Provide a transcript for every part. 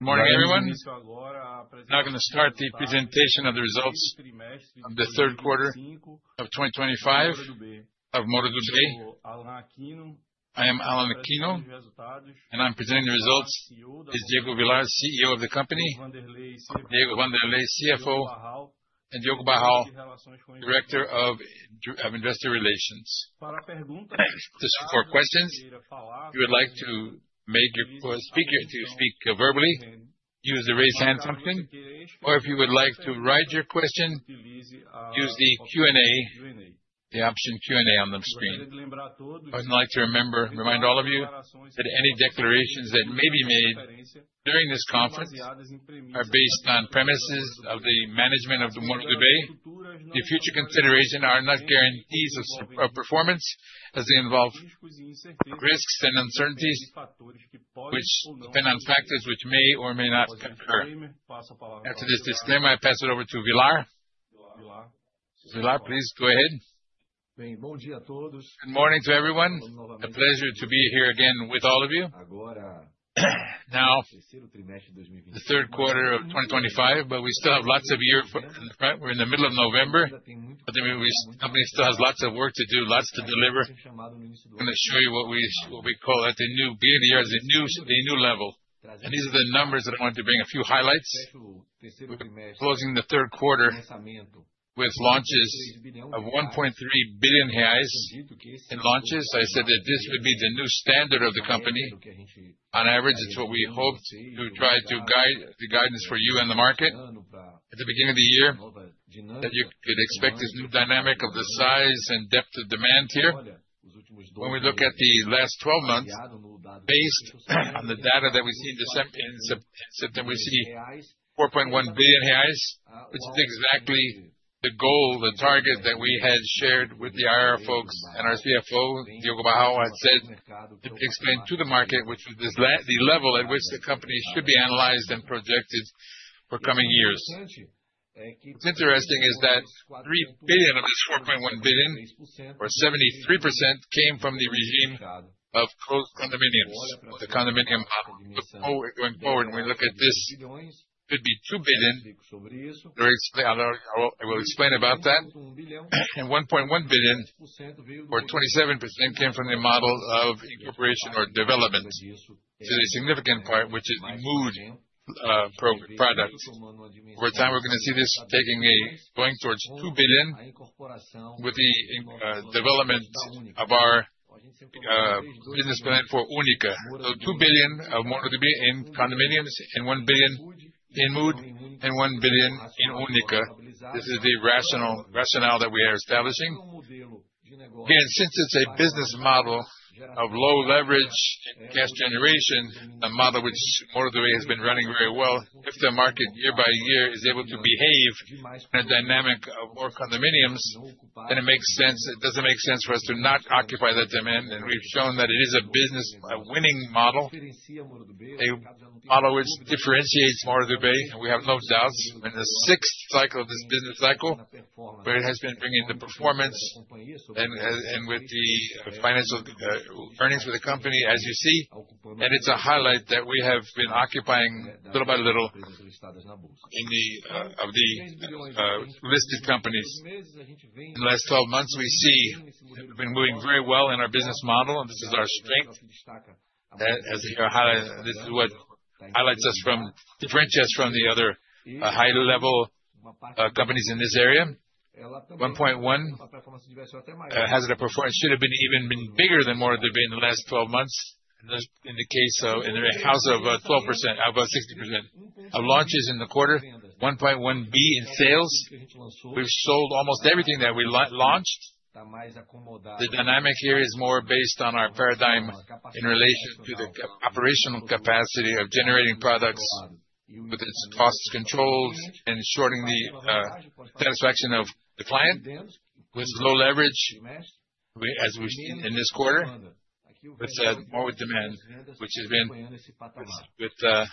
Morning everyone. Now I'm gonna start the presentation of the results of the third quarter of 2025 of Moura Dubeux. I am Alan Aquino, and I'm presenting the results, is Diego Villar, CEO of the company, Diego Wanderley CFO, and Diogo Barral, Director of Investor Relations. Just for questions, if you would like to make your point, to speak verbally, use the Raise Hand something, or if you would like to write your question, use the Q&A, the option Q&A on the screen. I would like to remind all of you that any declarations that may be made during this conference are based on premises of the management of Moura Dubeux. The future considerations are not guarantees of performance as they involve risks and uncertainties, which depend on factors which may or may not occur. After this disclaimer, I pass it over to Villar. Villar, please go ahead. Good morning to everyone. A pleasure to be here again with all of you. Now, the third quarter of 2025, but we still have lots of year. We're in the middle of November, but the company still has lots of work to do, lots to deliver. I'm gonna show you what we call it, the new bar, the new level. These are the numbers that I want to bring, a few highlights. We're closing the third quarter with launches of 1.3 billion reais in launches. I said that this would be the new standard of the company. On average, it's what we hoped to try to guide the guidance for you in the market. At the beginning of the year, that you could expect this new dynamic of the size and depth of demand here. When we look at the last twelve months, based on the data that we see in Dec-Sep, we see 4.1 billion reais, which is exactly the goal, the target that we had shared with the IR folks and our CFO, Diogo Barral, had said, explained to the market, which was the level at which the company should be analyzed and projected for coming years. What's interesting is that 3 billion of this 4.1 billion or 73% came from the regime of pro-condominiums. The contribution going forward, when we look at this, could be 2 billion. Very soon, I'll explain about that. 1.1 billion or 27% came from the model of incorporation or development. The significant part, which is Mood products. Over time, we're gonna see this going towards 2 billion with the development of our business plan for Única. Two billion of Moura Dubeux in condominiums and 1 billion in Mood and 1 billion in Única. This is the rationale that we are establishing. Again, since it's a business model of low leverage and cash generation, a model which Moura Dubeux has been running very well, if the market year by year is able to behave in a dynamic of more condominiums, then it makes sense. It doesn't make sense for us to not occupy that demand. We've shown that it is a business, a winning model. A model which differentiates Moura Dubeux, and we have no doubts. In the sixth cycle of this business cycle, where it has been bringing the performance and with the financial earnings for the company, as you see. It's a highlight that we have been occupying little by little of the listed companies. In the last 12 months, we see we've been doing very well in our business model, and this is our strength. As you can, this is what highlights us, differentiates us from the other high-level companies in this area. 1.1 billion has had a performance should have been even bigger than Moura Dubeux in the last 12 months. In the case of 12%, about 60%. Our launch is in the quarter, 1.1 billion in sales. We've sold almost everything that we launched. The dynamic here is more based on our paradigm in relation to the operational capacity of generating products with its cost controls and ensuring the satisfaction of the client with low leverage. As we've seen in this quarter, that said, more with demand, which has been with the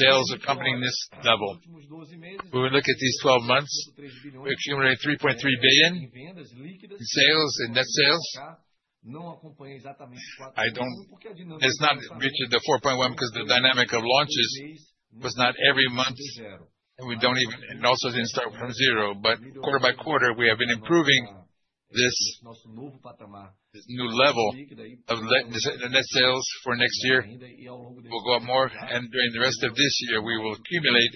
sales accompanying this double. When we look at these twelve months, we accumulate 3.3 billion in sales and net sales. It's not reaching the 4.1 billion because the dynamic of launches was not every month and also didn't start from zero. Quarter by quarter, we have been improving this new level of the net sales for next year will go up more, and during the rest of this year, we will accumulate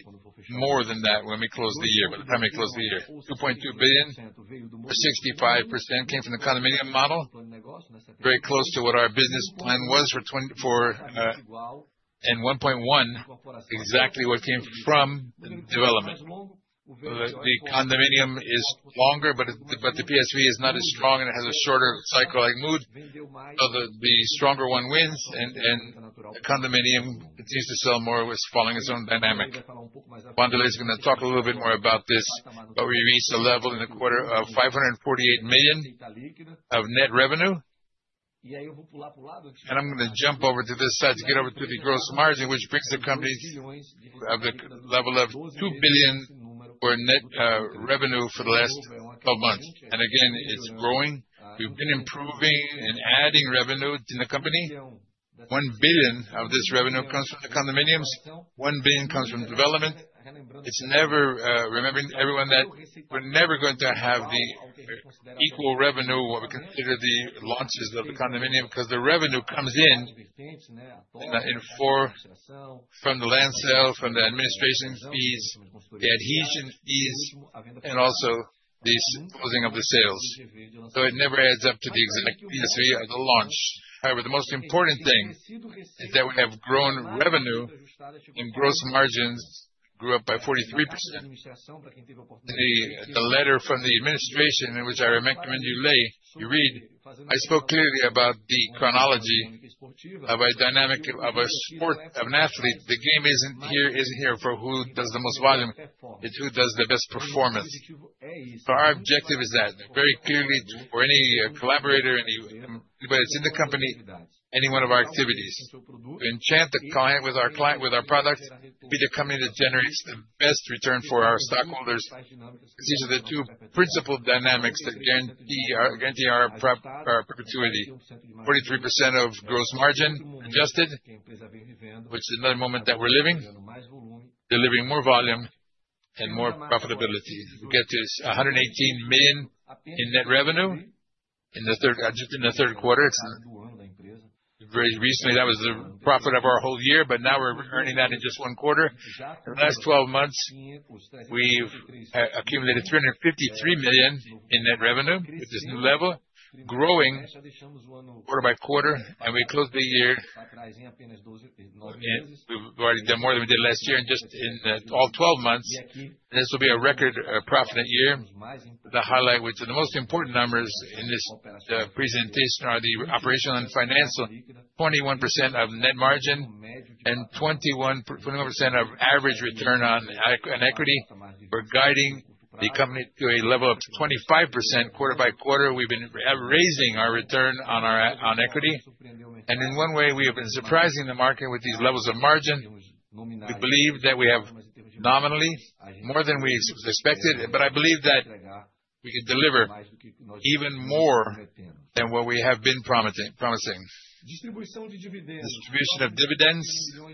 more than that when we close the year. 2.2 billion or 65% came from the condominium model, very close to what our business plan was for. 1.1 billion exactly what came from the development. The condominium is longer, but the PSV is not as strong, and it has a shorter cycle like Mood. The stronger one wins, and the condominium continues to sell more. It was following its own dynamic. Wanderley is gonna talk a little bit more about this, but we reached a level in the quarter of 548 million of net revenue. I'm gonna jump over to this side to get over to the gross margin, which brings the company to a level of 2 billion in net revenue for the last twelve months. Again, it's growing. We've been improving and adding revenue to the company. 1 billion of this revenue comes from the condominiums, 1 billion comes from development. It's never. Reminding everyone that we're never going to have the equal revenue, what we consider the launches of the condominium, because the revenue comes in four from the land sale, from the administration fees, the adhesion fees, and also the disposing of the sales. It never adds up to the exact PSV of the launch. However, the most important thing is that we have grown revenue and gross margins grew up by 43%. The letter from the administration, in which I recommend you read, I spoke clearly about the chronology of a dynamic of a sport, of an athlete. The game isn't here for who does the most volume. It's who does the best performance. Our objective is that very clearly for any collaborator, anybody that's in the company, any one of our activities. Enchant the client with our client, with our products, be the company that generates the best return for our stockholders, because these are the two principal dynamics that guarantee our perpetuity. 43% of gross margin adjusted, which is another moment that we're living, delivering more volume and more profitability. We get to 118 million in net revenue in the third quarter. It's very recently, that was the profit of our whole year, but now we're earning that in just one quarter. For the last twelve months, we've accumulated 353 million in net revenue, which is a new level, growing quarter by quarter, and we closed the year. We've already done more than we did last year and just in all twelve months, this will be a record profit year. The highlight, which are the most important numbers in this presentation, are the operational and financial. 21% net margin and 21% average return on equity. We're guiding the company to a level of 25% quarter by quarter. We've been raising our return on our equity. In one way, we have been surprising the market with these levels of margin. We believe that we have nominally more than we expected, but I believe that we can deliver even more than what we have been promising. Distribution of dividends,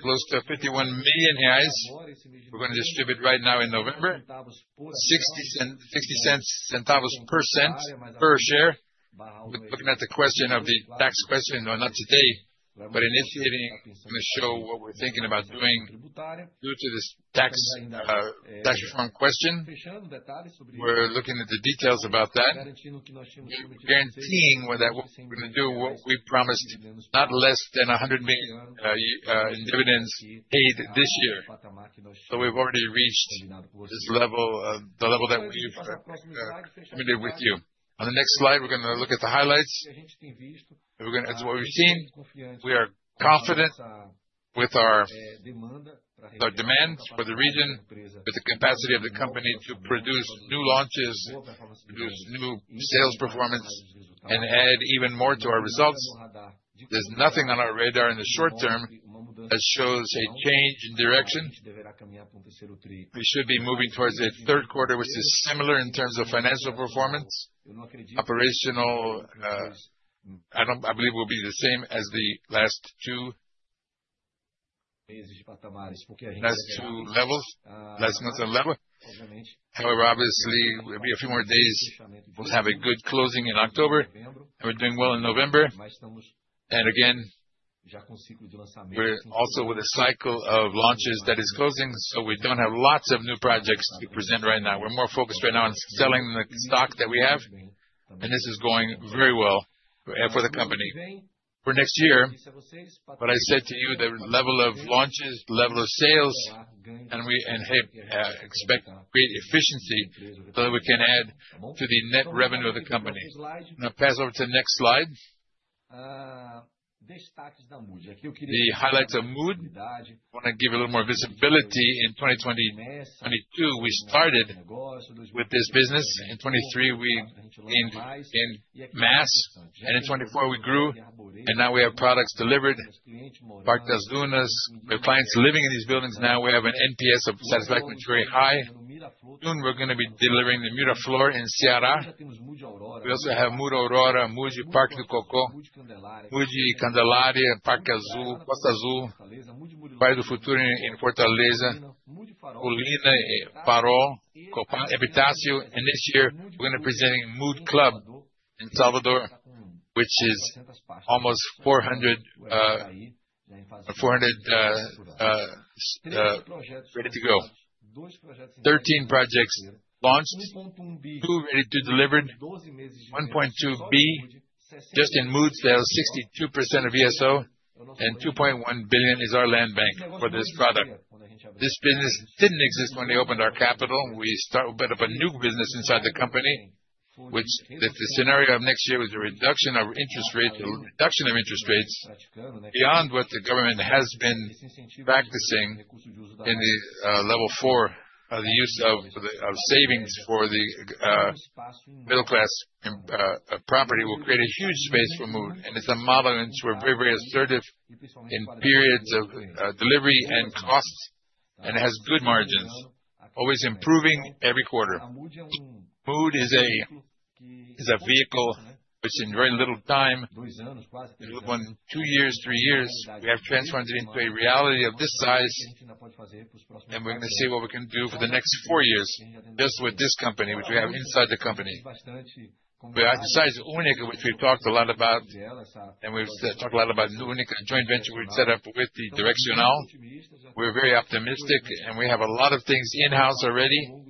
close to 51 million reais. We're gonna distribute right now in November 0.60 per share. We're looking at the question of the tax, though not today, but initiating. I'm gonna show what we're thinking about doing due to this tax reform question. We're looking at the details about that. We're guaranteeing with that we're gonna do what we promised, not less than 100 million in dividends paid this year. We've already reached this level, the level that we've committed with you. On the next slide, we're gonna look at the highlights. It's what we've seen. We are confident with our demand for the region, with the capacity of the company to produce new launches, produce new sales performance, and add even more to our results. There's nothing on our radar in the short term that shows a change in direction. We should be moving towards a third quarter which is similar in terms of financial performance. Operational, I believe will be the same as the last two months level. However, obviously, there'll be a few more days. We'll have a good closing in October, and we're doing well in November. Again, we're also with a cycle of launches that is closing, so we don't have lots of new projects to present right now. We're more focused right now on selling the stock that we have, and this is going very well for the company. For next year, what I said to you, the level of launches, level of sales, and we expect great efficiency so that we can add to the net revenue of the company. Now pass over to the next slide. The highlights of Mood. Wanna give a little more visibility. In 2022, we started with this business. In 2023 we gained mass, and in 2024 we grew, and now we have products delivered. Parque das Dunas. We have clients living in these buildings now. We have an NPS of satisfaction, which is very high. Soon, we're gonna be delivering the Miraflor in Ceará. We also have Mood Aurora, Mood Parque do Cocó, Mood Candelária, Parque Azul, Costa Azul, Pátio do Futuro in Fortaleza, Olinda, Farol, Copan and Vivace. This year, we're gonna be presenting Mood Club in Salvador, which is almost 400 ready to go. 13 projects launched, two ready to deliver, 1.2 billion just in Mood sales, 62% of VSO, and 2.1 billion is our land bank for this product. This business didn't exist when we opened our capital. Built up a new business inside the company, which, if the scenario of next year with the reduction of interest rate, reduction of interest rates beyond what the government has been practicing in the level four of the use of the savings for the middle-class property will create a huge space for Mood. It's a model, and so we're very, very assertive in periods of delivery and costs and has good margins, always improving every quarter. Mood is a vehicle which in very little time, little one, two years, three years, we have transformed it into a reality of this size, and we're gonna see what we can do for the next four years just with this company, which we have inside the company. Besides Única, which we've talked a lot about, and we've talked a lot about the new Única joint venture we've set up with the Direcional, we're very optimistic, and we have a lot of things in-house already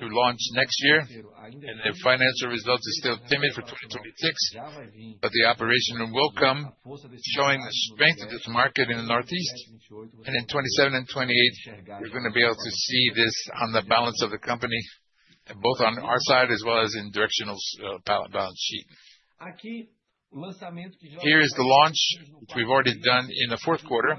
to launch next year, and the financial results is still timid for 2026, but the operation will come showing the strength of this market in the Northeast, and in 2027 and 2028, we're gonna be able to see this on the balance of the company, both on our side as well as in Direcional's balance sheet. Here is the launch, which we've already done in the fourth quarter.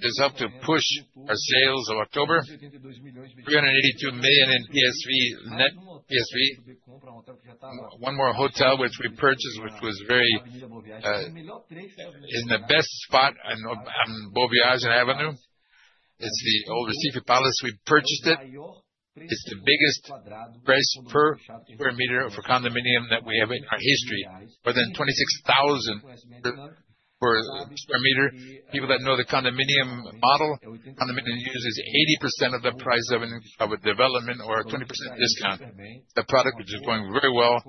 It's helped to push our sales of October, 382 million in PSV net, PSV. One more hotel which we purchased, which was very in the best spot on Boa Viagem Avenue. It's the old Recife Palace. We purchased it. It's the biggest price per square meter for condominium that we have in our history, more than 26,000 per square meter. People that know the condominium model, condominium usually is 80% of the price of a development or a 20% discount. A product which is going very well.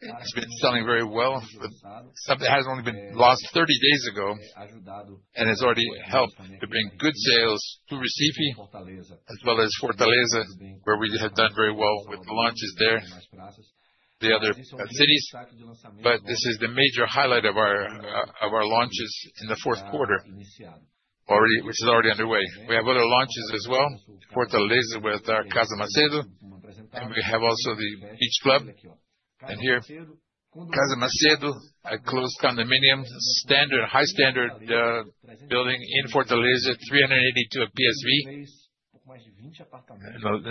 It's been selling very well. Something that has only been last 30 days ago and has already helped to bring good sales to Recife as well as Fortaleza, where we have done very well with the launches there, the other cities. This is the major highlight of our of our launches in the fourth quarter already, which is already underway. We have other launches as well, Fortaleza with our Casa Macêdo, and we have also the Beach Class. Here, Casa Macêdo, a closed condominium, standard, high standard, building in Fortaleza, 382 PSV. In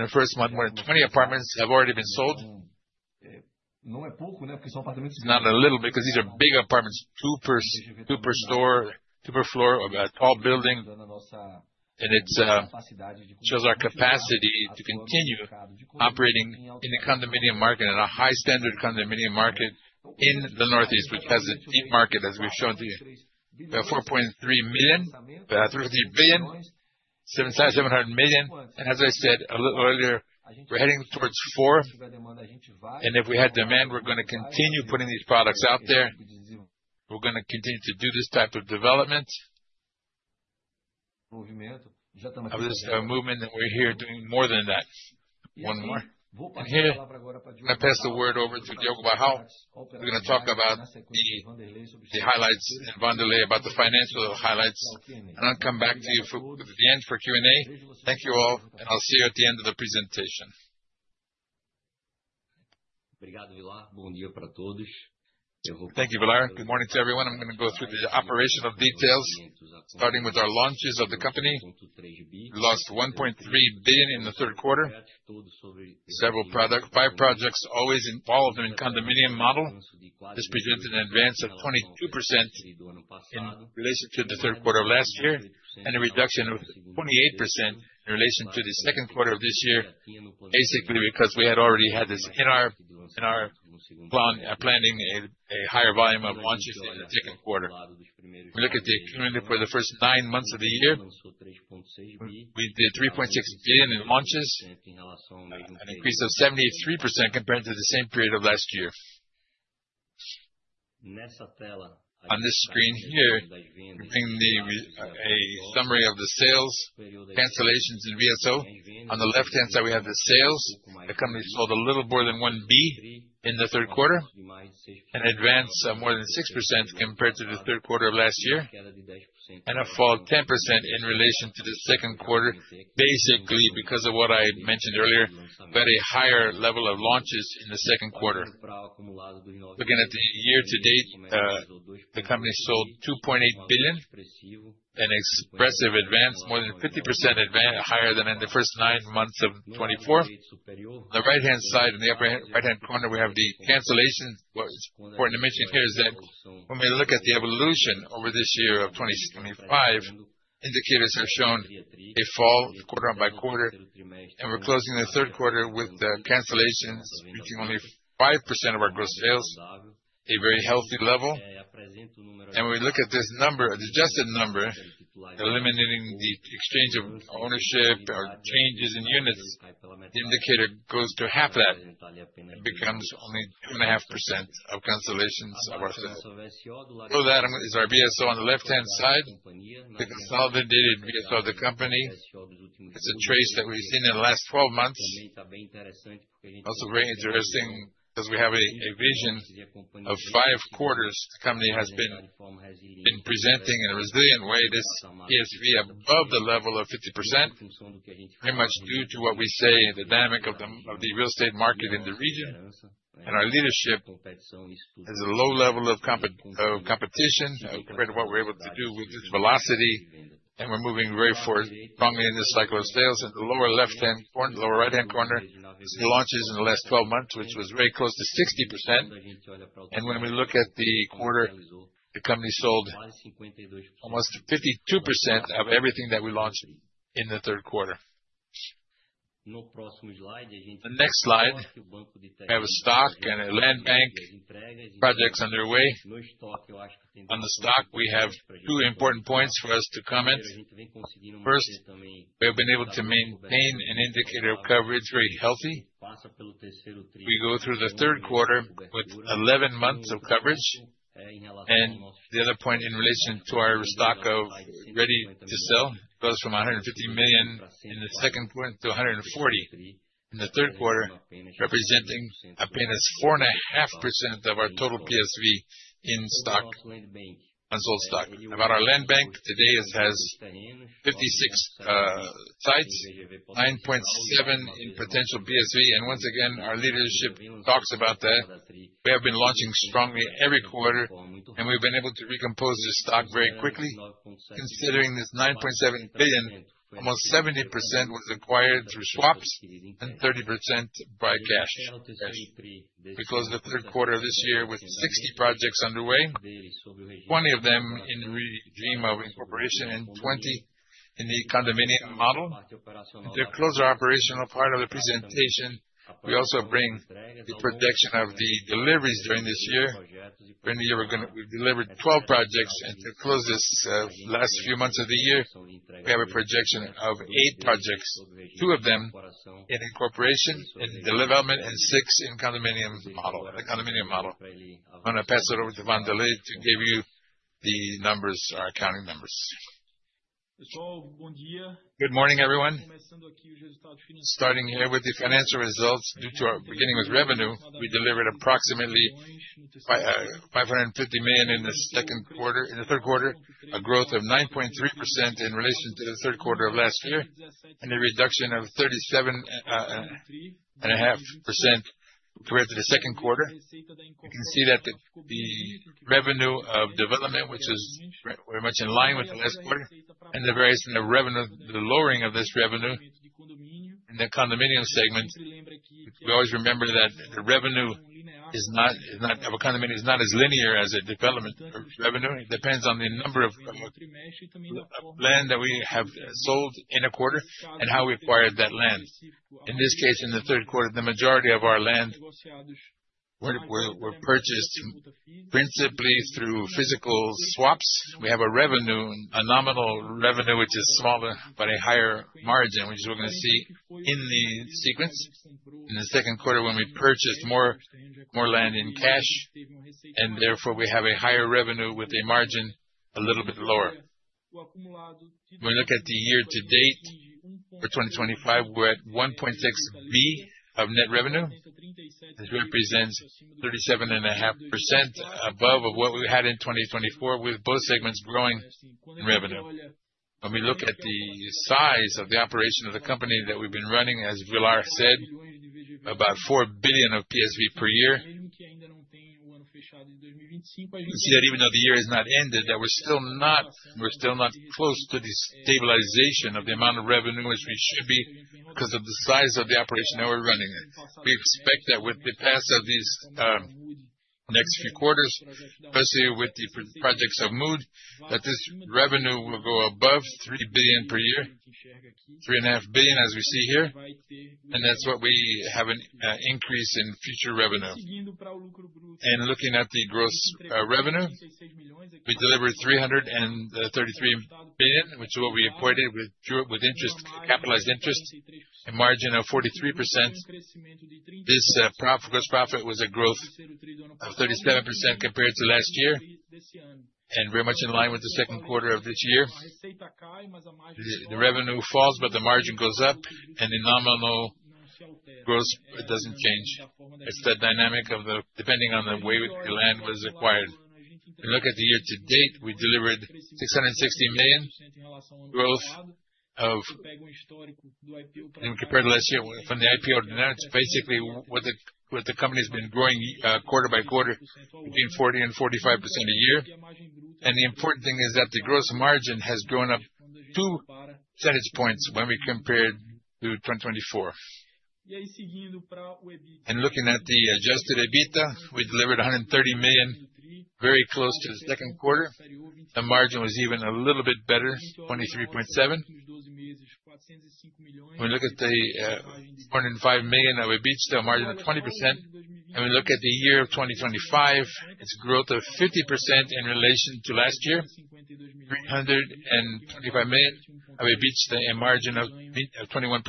the first month, more than 20 apartments have already been sold. Not a little because these are big apartments, two per floor of a tall building, and it shows our capacity to continue operating in the condominium market, in a high standard condominium market in the Northeast, which has a deep market, as we've shown to you. We BRL have 4.3 million. We have 30 billion, 7,100 million. As I said a little earlier, we're heading towards four. If we have demand, we're gonna continue putting these products out there. We're gonna continue to do this type of development. Of this movement, and we're here doing more than that. One more. Here, I pass the word over to Diogo Barral. We're gonna talk about the highlights in Wanderley about the financial highlights. I'll come back to you for the end for Q&A. Thank you all, and I'll see you at the end of the presentation. Thank you, Villar. Good morning to everyone. I'm gonna go through the operational details, starting with our launches of the company. We launched 1.3 billion in the third quarter. Five projects all so involved in condominium model. This presented an advance of 22% in relation to the third quarter of last year, and a reduction of 28% in relation to the second quarter of this year, basically because we had already had this in our, in our plan, planning a higher volume of launches in the second quarter. If we look at the accumulated for the first nine months of the year, we did 3.6 billion in launches, an increase of 73% compared to the same period of last year. On this screen here, we're giving a summary of the sales, cancellations in VSO. On the left-hand side, we have the sales. The company sold a little more than 1 billion in the third quarter, an advance of more than 6% compared to the third quarter of last year, and a fall 10% in relation to the second quarter, basically because of what I mentioned earlier, but a higher level of launches in the second quarter. Looking at the year to date, the company sold 2.8 billion, an expressive advance, more than 50% higher than in the first nine months of 2024. The right-hand side, in the upper right-hand corner, we have the cancellation. What's important to mention here is that when we look at the evolution over this year of 2025, indicators have shown a fall quarter by quarter, and we're closing the third quarter with the cancellations reaching only 5% of our gross sales, a very healthy level. We look at this number, the adjusted number, eliminating the exchange of ownership or changes in units, the indicator goes to half that. It becomes only 2.5% of cancellations of our sales. That is our VSO on the left-hand side, the consolidated VSO of the company. It's a trace that we've seen in the last 12 months. Also very interesting because we have a vision of 5 quarters. The company has been presenting in a resilient way this PSV above the level of 50%, very much due to what we say the dynamic of the real estate market in the region and our leadership. There's a low level of competition compared to what we're able to do with this velocity, and we're moving very strongly in the cycle of sales. In the lower right-hand corner, the launches in the last 12 months, which was very close to 60%. When we look at the quarter, the company sold almost 52% of everything that we launched in the third quarter. On the next slide, we have a stock and a land bank projects underway. On the stock, we have two important points for us to comment. First, we have been able to maintain an indicator of coverage very healthy. We go through the third quarter with 11 months of coverage. The other point in relation to our stock of ready to sell goes from 150 million in the second quarter to 140 million in the third quarter, representing a painless 4.5% of our total PSV in stock, unsold stock. About our land bank, today it has 56 sites, 9.7 billion in potential PSV. Once again, our leadership talks about that. We have been launching strongly every quarter, and we've been able to recompose the stock very quickly. Considering this 9.7 billion, almost 70% was acquired through swaps and 30% by cash. We closed the third quarter of this year with 60 projects underway, 20 of them in regime of incorporation and 20 in the condominium model. To close our operational part of the presentation, we also bring the projection of the deliveries during this year. During the year, we delivered 12 projects. To close this, last few months of the year, we have a projection of eight projects, two of them in incorporation, in development, and six in the condominium model. I'm gonna pass it over to Wanderley to give you the numbers, our accounting numbers. Good morning, everyone. Starting here with the financial results due to our beginning with revenue, we delivered approximately 550 million in the third quarter, a growth of 9.3% in relation to the third quarter of last year, and a reduction of 37.5% compared to the second quarter. You can see that the revenue of development, which is very much in line with the last quarter and the variation of revenue, the lowering of this revenue in the condominium segment. We always remember that the revenue of a condominium is not as linear as a development revenue. It depends on the number of land that we have sold in a quarter and how we acquired that land. In this case, in the third quarter, the majority of our land were purchased principally through physical swaps. We have a revenue, a nominal revenue, which is smaller, but a higher margin, which we're gonna see in the sequence. In the second quarter when we purchased more land in cash, and therefore we have a higher revenue with a margin a little bit lower. When we look at the year to date for 2025, we're at 1.6 billion of net revenue. This represents 37.5% above of what we had in 2024, with both segments growing in revenue. When we look at the size of the operation of the company that we've been running, as Villar said, about 4 billion of PSV per year. You can see that even though the year has not ended, we're still not close to the stabilization of the amount of revenue as we should be 'cause of the size of the operation that we're running in. We expect that with the passage of these next few quarters, especially with the projects of Mood, that this revenue will go above 3 billion per year, 3.5 billion as we see here. That's what we have an increase in future revenue. Looking at the gross revenue, we delivered 333 billion, which is what we impacted with interest, capitalized interest, a margin of 43%. This gross profit was a growth of 37% compared to last year and very much in line with the second quarter of this year. The revenue falls, but the margin goes up, and the nominal gross doesn't change. It's that dynamic of the depending on the way the land was acquired. We look at the year to date, we delivered 660 million growth. Compared to last year from the IPO, it's basically what the company has been growing, quarter by quarter, 40%-45% a year. The important thing is that the gross margin has grown up two percentage points when we compared to 2024. Looking at the adjusted EBITDA, we delivered 130 million, very close to the second quarter. The margin was even a little bit better, 23.7%. When we look at the 105 million of EBITDA margin of 20%, and we look at the year of 2025, it's growth of 50% in relation to last year, 325 million of EBITDA and margin of 21%,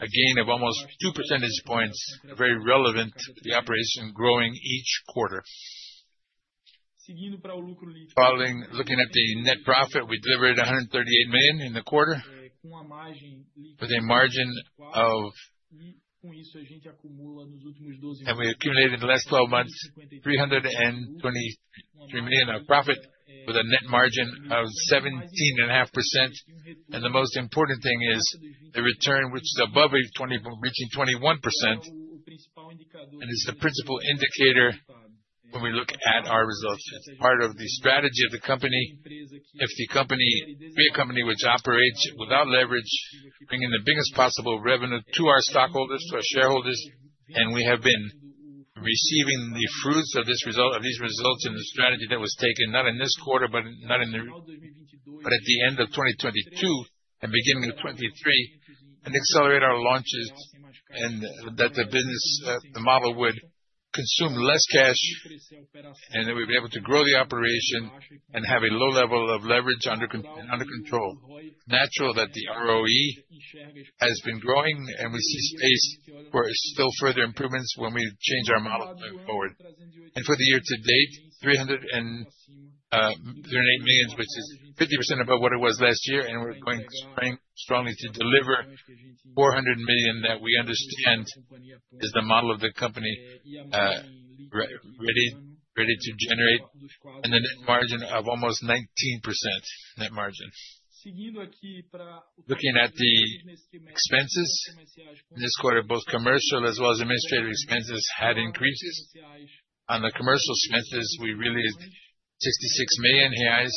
a gain of almost two percentage points. Very relevant, the operation growing each quarter. Looking at the net profit, we delivered 138 million in the quarter with a margin of. We accumulated in the last twelve months, 323 million of profit with a net margin of 17.5%. The most important thing is the return, which is above reaching 21% and is the principal indicator when we look at our results. Part of the strategy of the company, if the company be a company which operates without leverage, bringing the biggest possible revenue to our stockholders, to our shareholders, and we have been receiving the fruits of these results and the strategy that was taken not in this quarter, but at the end of 2022 and beginning of 2023, and accelerate our launches and that the business, the model would consume less cash, and then we'll be able to grow the operation and have a low level of leverage under control. Natural that the ROE has been growing, and we see space for still further improvements when we change our model going forward. For the year to date, 308 million, which is 50% above what it was last year, and we're going strongly to deliver 400 million that we understand is the model of the company, ready to generate. The net margin of almost 19% net margin. Looking at the expenses, this quarter, both commercial as well as administrative expenses had increases. On the commercial expenses, we released 66 million reais,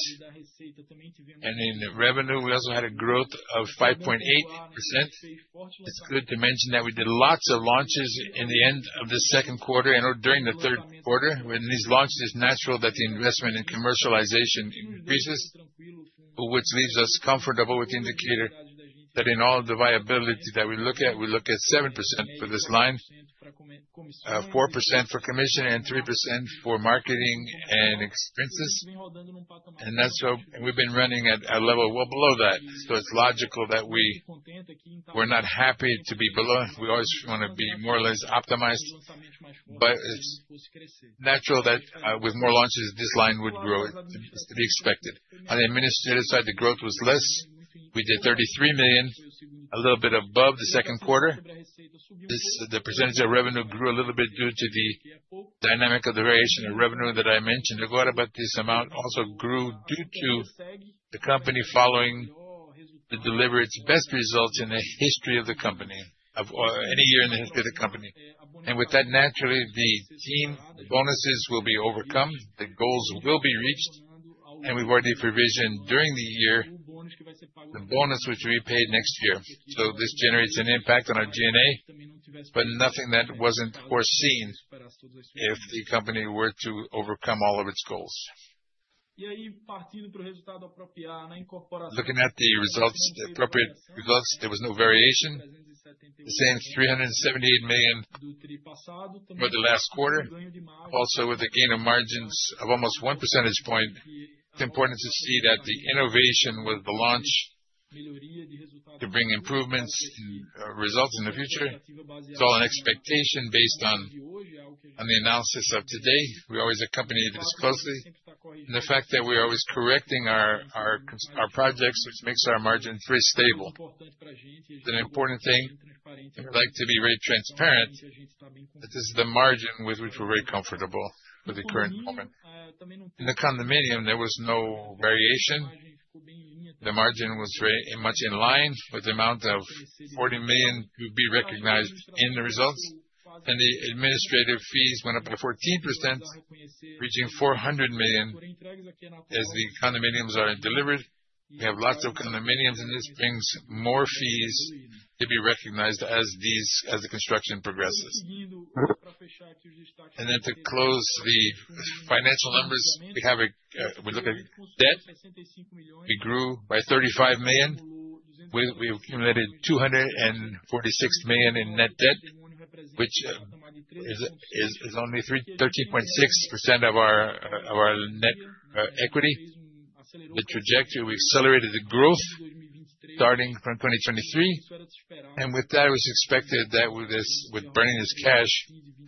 and in revenue, we also had a growth of 5.8%. It's good to mention that we did lots of launches in the end of the second quarter and/or during the third quarter. When these launch, it's natural that the investment in commercialization increases, which leaves us comfortable with the indicator that in all the viability that we look at, we look at 7% for this line, 4% for commission and 3% for marketing and expenses. That's why we've been running at a level well below that. It's logical that we're not happy to be below. We always wanna be more or less optimized. It's natural that, with more launches, this line would grow. It's to be expected. On the administrative side, the growth was less. We did 33 million, a little bit above the second quarter. This, the percentage of revenue grew a little bit due to the dynamic of the variation of revenue that I mentioned. This amount also grew due to the company continuing to deliver its best results in the history of the company, any year. With that, naturally, the team bonuses will overrun, the goals will be reached, and we've already provisioned during the year the bonus which will be paid next year. This generates an impact on our G&A, but nothing that wasn't foreseen if the company were to overcome all of its goals. Looking at the results, the appropriate results, there was no variation. The same 378 million for the last quarter, also with a gain in margins of almost one percentage point. It's important to see that the innovation with the launch to bring improvements in results in the future. It's all an expectation based on the analysis of today. We always accompany this closely. The fact that we're always correcting our projects, which makes our margin very stable. The important thing, I would like to be very transparent, that this is the margin with which we're very comfortable with the current moment. In the condominium, there was no variation. The margin was very much in line with the amount of 40 million to be recognized in the results. The administrative fees went up by 14%, reaching 400 million as the condominiums are delivered. We have lots of condominiums, and this brings more fees to be recognized as these, as the construction progresses. To close the financial numbers, we look at debt. It grew by 35 million. We accumulated 246 million in net debt, which is only 13.6% of our net equity. The trajectory, we accelerated the growth starting from 2023. With that, it was expected that with this, with burning this cash,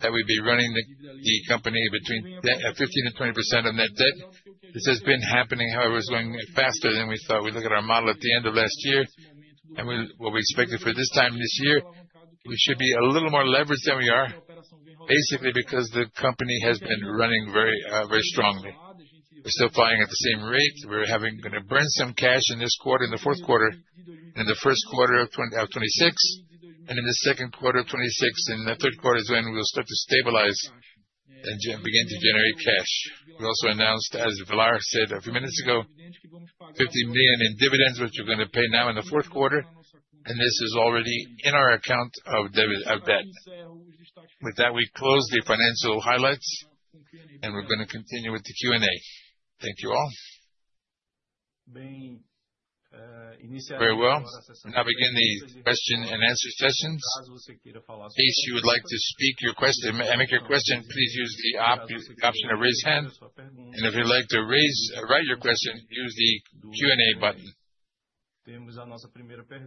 that we'd be running the company between 15%-20% on net debt. This has been happening, however, it's going faster than we thought. We look at our model at the end of last year. What we expected for this time this year, we should be a little more leveraged than we are, basically because the company has been running very strongly. We're still flying at the same rate. We're gonna burn some cash in this quarter, in the fourth quarter, in the first quarter of 2026, and in the second quarter of 2026. The third quarter is when we'll start to stabilize and begin to generate cash. We also announced, as Villar said a few minutes ago, 15 million in dividends, which we're gonna pay now in the fourth quarter. This is already in our account of debt. With that, we close the financial highlights, and we're gonna continue with the Q&A. Thank you all. Very well. Now begin the question-and-answer sessions. In case you would like to speak your question, make your question, please use the option of Raise Hand. If you'd like to write your question, use the Q&A button.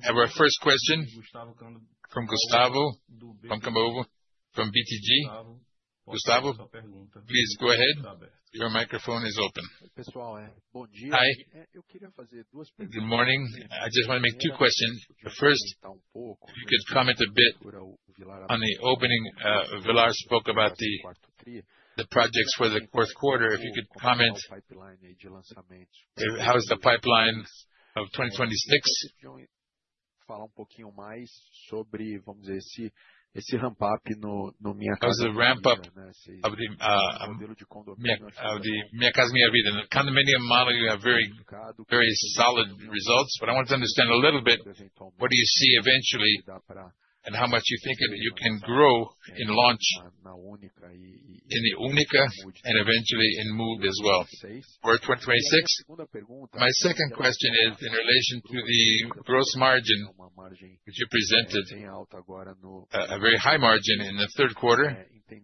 Our first question from Gustavo Cambauva from BTG. Gustavo, please go ahead. Your microphone is open. Hi. Good morning. I just wanna make two questions. The first, if you could comment a bit on the opening, Villar spoke about the projects for the fourth quarter. If you could comment, how is the pipeline of 2026?Falar um pouquinho mais sobre, vamos dizer, esse ramp up no Minha Casa, Minha Vida, né? Esse modelo de condomínio. Of the ramp up of the Minha Casa, Minha Vida. The condominium model, you have very solid results, but I want to understand a little bit what do you see eventually, and how much you think that you can grow in launch in the Única and eventually in Mood as well for 2026. My second question is in relation to the gross margin which you presented, a very high margin in the third quarter. To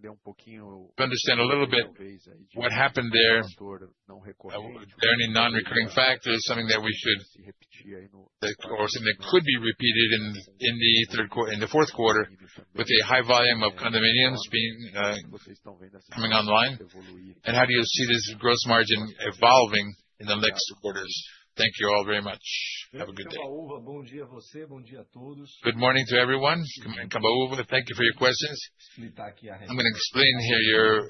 understand a little bit what happened there. Were there any non-recurring factors, something that we should take or something that could be repeated in the fourth quarter with a high volume of condominiums coming online? How do you see this gross margin evolving in the next quarters? Thank you all very much. Have a good day. Cambauva, bom dia a você, bom dia a todos. Good morning to everyone. Cambauva, thank you for your questions. I'm gonna explain here your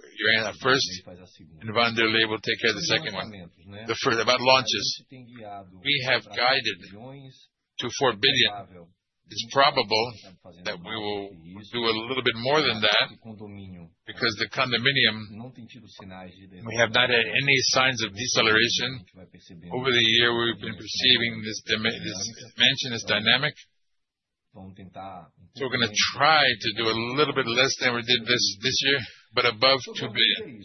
first, and Wanderley will take care of the second one. The first about launches. We have guided to BRL 4 billion. It's probable that we will do a little bit more than that because the condominium we have not had any signs of deceleration. Over the year, we've been perceiving this dimension as dynamic. We're gonna try to do a little bit less than we did this year, but above 2 billion.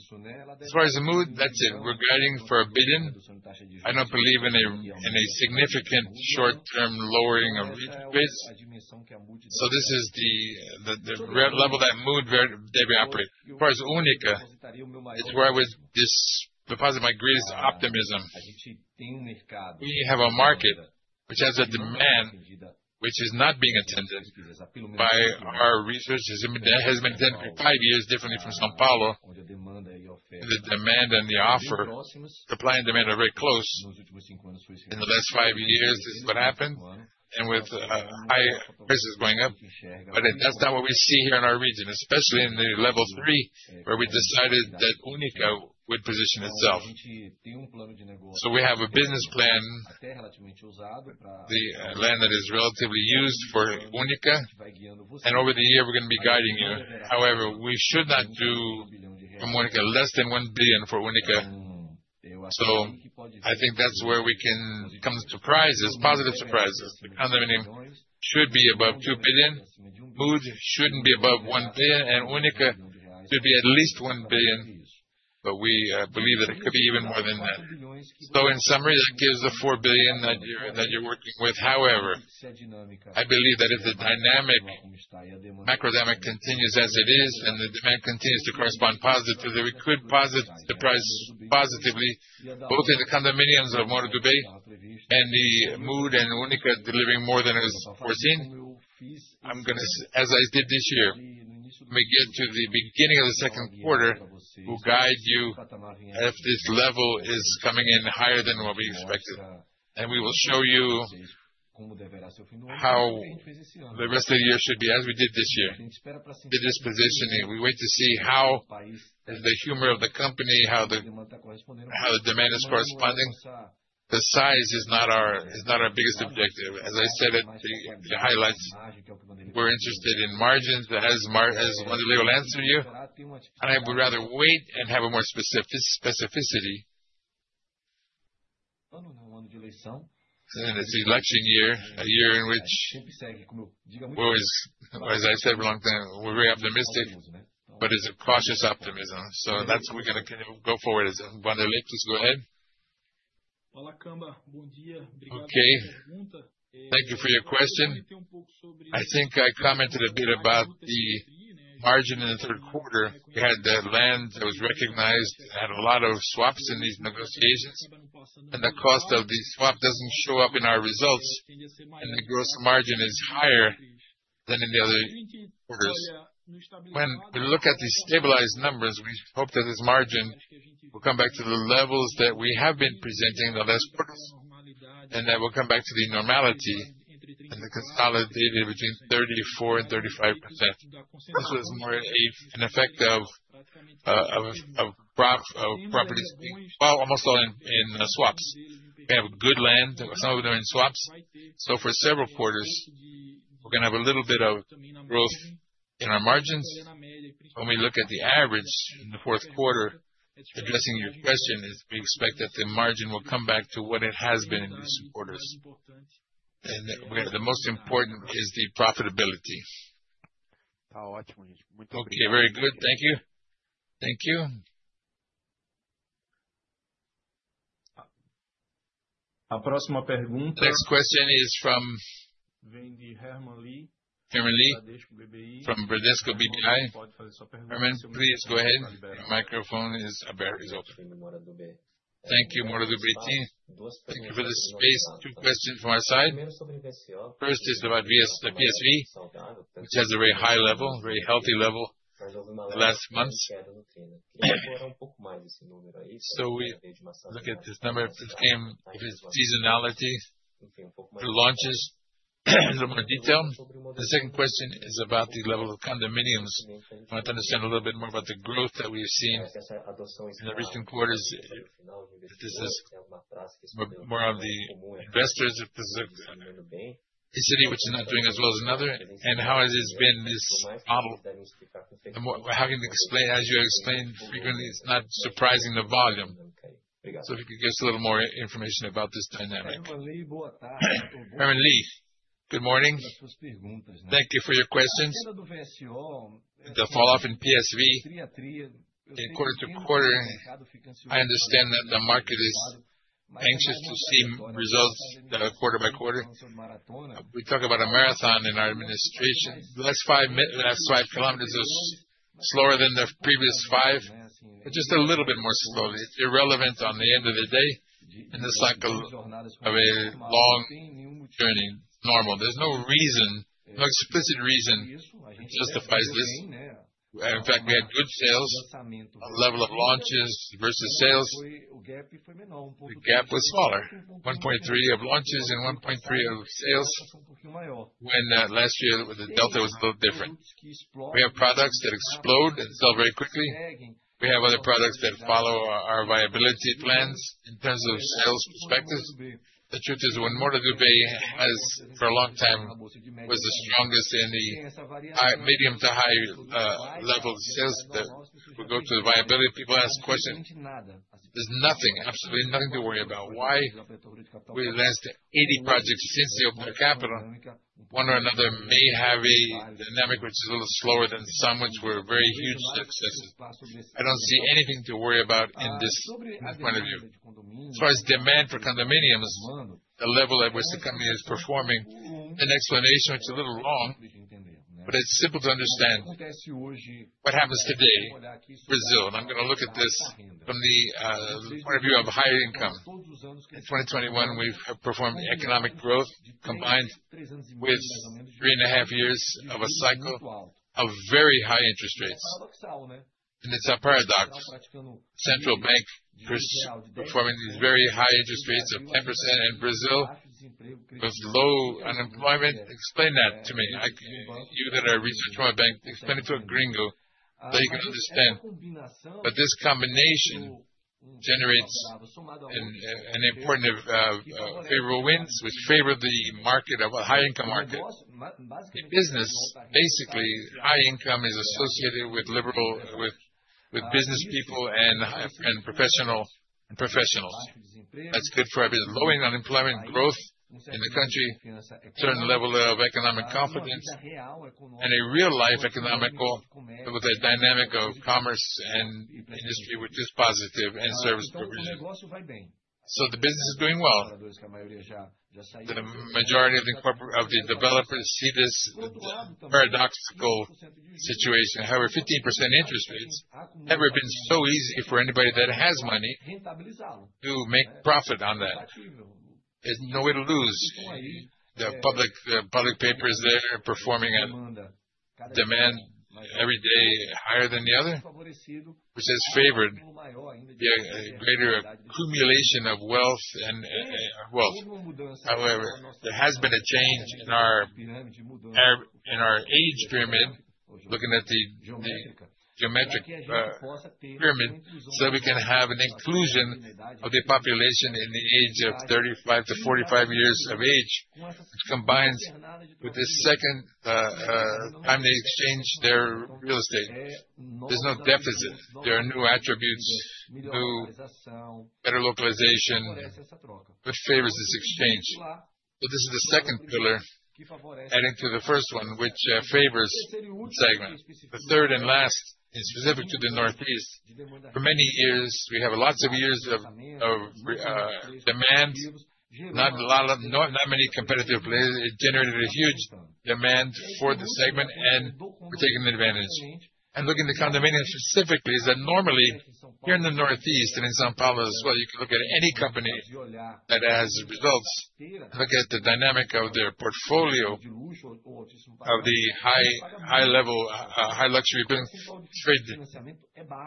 As far as Mood, that's it. We're guiding for 1 billion. I don't believe in a significant short-term lowering of rates. This is the real level that Mood operates. As far as Única, it's where I deposit my greatest optimism. We have a market which has a demand which is not being met by the competition. It has been the case for five years differently from São Paulo. The supply and demand are very close. In the last five years, this is what happened and with high prices going up. That's not what we see here in our region, especially in the level three, where we decided that Única would position itself. We have a business plan, the land that is relatively used for Única, and over the year we're gonna be guiding you. However, we should not do from Única less than 1 billion for Única. I think that's where we can come to surprises, positive surprises. Condominium should be above 2 billion. Mood shouldn't be above 1 billion, and Única should be at least 1 billion. We believe that it could be even more than that. In summary, that gives the 4 billion that you're working with. However, I believe that if the macro dynamic continues as it is, and the demand continues to respond positively, that we could post the price positively, both in the condominiums of Moura Dubeux and the Mood and Única delivering more than is foreseen. I'm gonna, as I did this year, we get to the beginning of the second quarter, we'll guide you if this level is coming in higher than what we expected. We will show you how the rest of the year should be as we did this year. It is positioning. We wait to see how is the humor of the company, how the demand is responding. The size is not our biggest objective. As I said at the highlights, we're interested in margins. As Wanderley will answer you, I would rather wait and have a more specificity. It's the election year, a year in which we're always, or as I said a long time, we're very optimistic, but it's a cautious optimism. That's where we're gonna go forward. Wanderley, please go ahead. Olá, Cambaúva. Bom dia. Obrigado pela pergunta. Okay, thank you for your question. I think I commented a bit about the margin in the third quarter. We had the land that was recognized and had a lot of swaps in these negotiations. The cost of the swap doesn't show up in our results, and the gross margin is higher than in the other quarters. When we look at the stabilized numbers, we hope that this margin will come back to the levels that we have been presenting in the last quarters, and that will come back to the normality and the consolidated between 34% and 35%. This was more an effect of properties being, well, almost all in swaps. We have good land. Some of them are in swaps. So, for several quarters, we're gonna have a little bit of growth in our margins. When we look at the average in the fourth quarter, addressing your question is we expect that the margin will come back to what it has been in these quarters. The most important is the profitability. Tá ótimo, gente. Muito obrigado. Okay, very good. Thank you. Thank you. Next question is from Herman Lee. Herman Lee from Bradesco BBI. Herman Lee, please go ahead. Microphone is yours is open. Thank you, Moura Dubeux team. Thank you for the space. Two questions from our side. First is about the VSO, the PSV, which has a very high level, very healthy level the last months. We look at this number, it came with seasonality, the launches. A little more detail. The second question is about the level of condominiums. I want to understand a little bit more about the growth that we have seen in the recent quarters. If this is more of the investors, if there's a city which is not doing as well as another, and how it has been this model. Without having to explain, as you explained frequently, it's not surprising the volume. If you could give us a little more information about this dynamic. Herman Lee, good morning. Thank you for your questions. The falloff in PSV quarter-to-quarter. I understand that the market is anxious to see results that are quarter-by-quarter. We talk about a marathon in our administration. The last five kilometers are slower than the previous five, but just a little bit more slowly. It's irrelevant at the end of the day, in the cycle of a long journey. It's normal. There's no reason, no explicit reason that justifies this. In fact, we had good sales, a level of launches versus sales. The gap was smaller, [1.3] of launches and [1.3] of sales, when last year the delta was a little different. We have products that explode and sell very quickly. We have other products that follow our viability plans in terms of sales prospectus. The truth is, when Moura Dubeux has for a long time was the strongest in the medium to high level of sales that will go to the viability, people ask the question. There's nothing, absolutely nothing to worry about. Why we launched 80 projects since the open capital, one or another may have a dynamic which is a little slower than some which were very huge successes. I don't see anything to worry about in this point of view. As far as demand for condominiums, the level at which the company is performing, an explanation, it's a little long, but it's simple to understand what happens today, Brazil. I'm gonna look at this from the point of view of higher income. In 2021, we have performed economic growth combined with three and a half years of a cycle of very high interest rates. It's a paradox. Central Bank first performing these very high interest rates of 10% and Brazil with low unemployment. Explain that to me. You had a research from our bank. Explain it to a gringo that you can understand. This combination generates an important favorable wind which favor the market of a high-income market. The business, basically high income is associated with liberal, with business people and professionals. That's good for lowering unemployment growth in the country, certain level of economic confidence and a real life economy with a dynamic of commerce and industry which is positive and service provision. The business is doing well. The majority of the developers see this paradoxical situation. However, 15% interest rates never been so easy for anybody that has money to make profit on that. There's no way to lose. The public papers, they're performing on demand every day higher than the other, which has favored the greater accumulation of wealth and wealth. However, there has been a change in our age pyramid, looking at the geometric pyramid, so we can have an inclusion of the population in the age of 35 to 45 years of age. It combines with the second time they exchange their real estate. There's no deficit. There are new attributes, better localization, which favors this exchange. This is the second pillar adding to the first one which favors this segment. The third and last is specific to the Northeast. For many years, we have lots of years of demand, not many competitive places. It generated a huge demand for the segment and we're taking advantage. Looking at the condominium specifically is that normally here in the Northeast and in São Paulo as well, you can look at any company that has results. Look at the dynamic of their portfolio of the high level, high luxury business trade.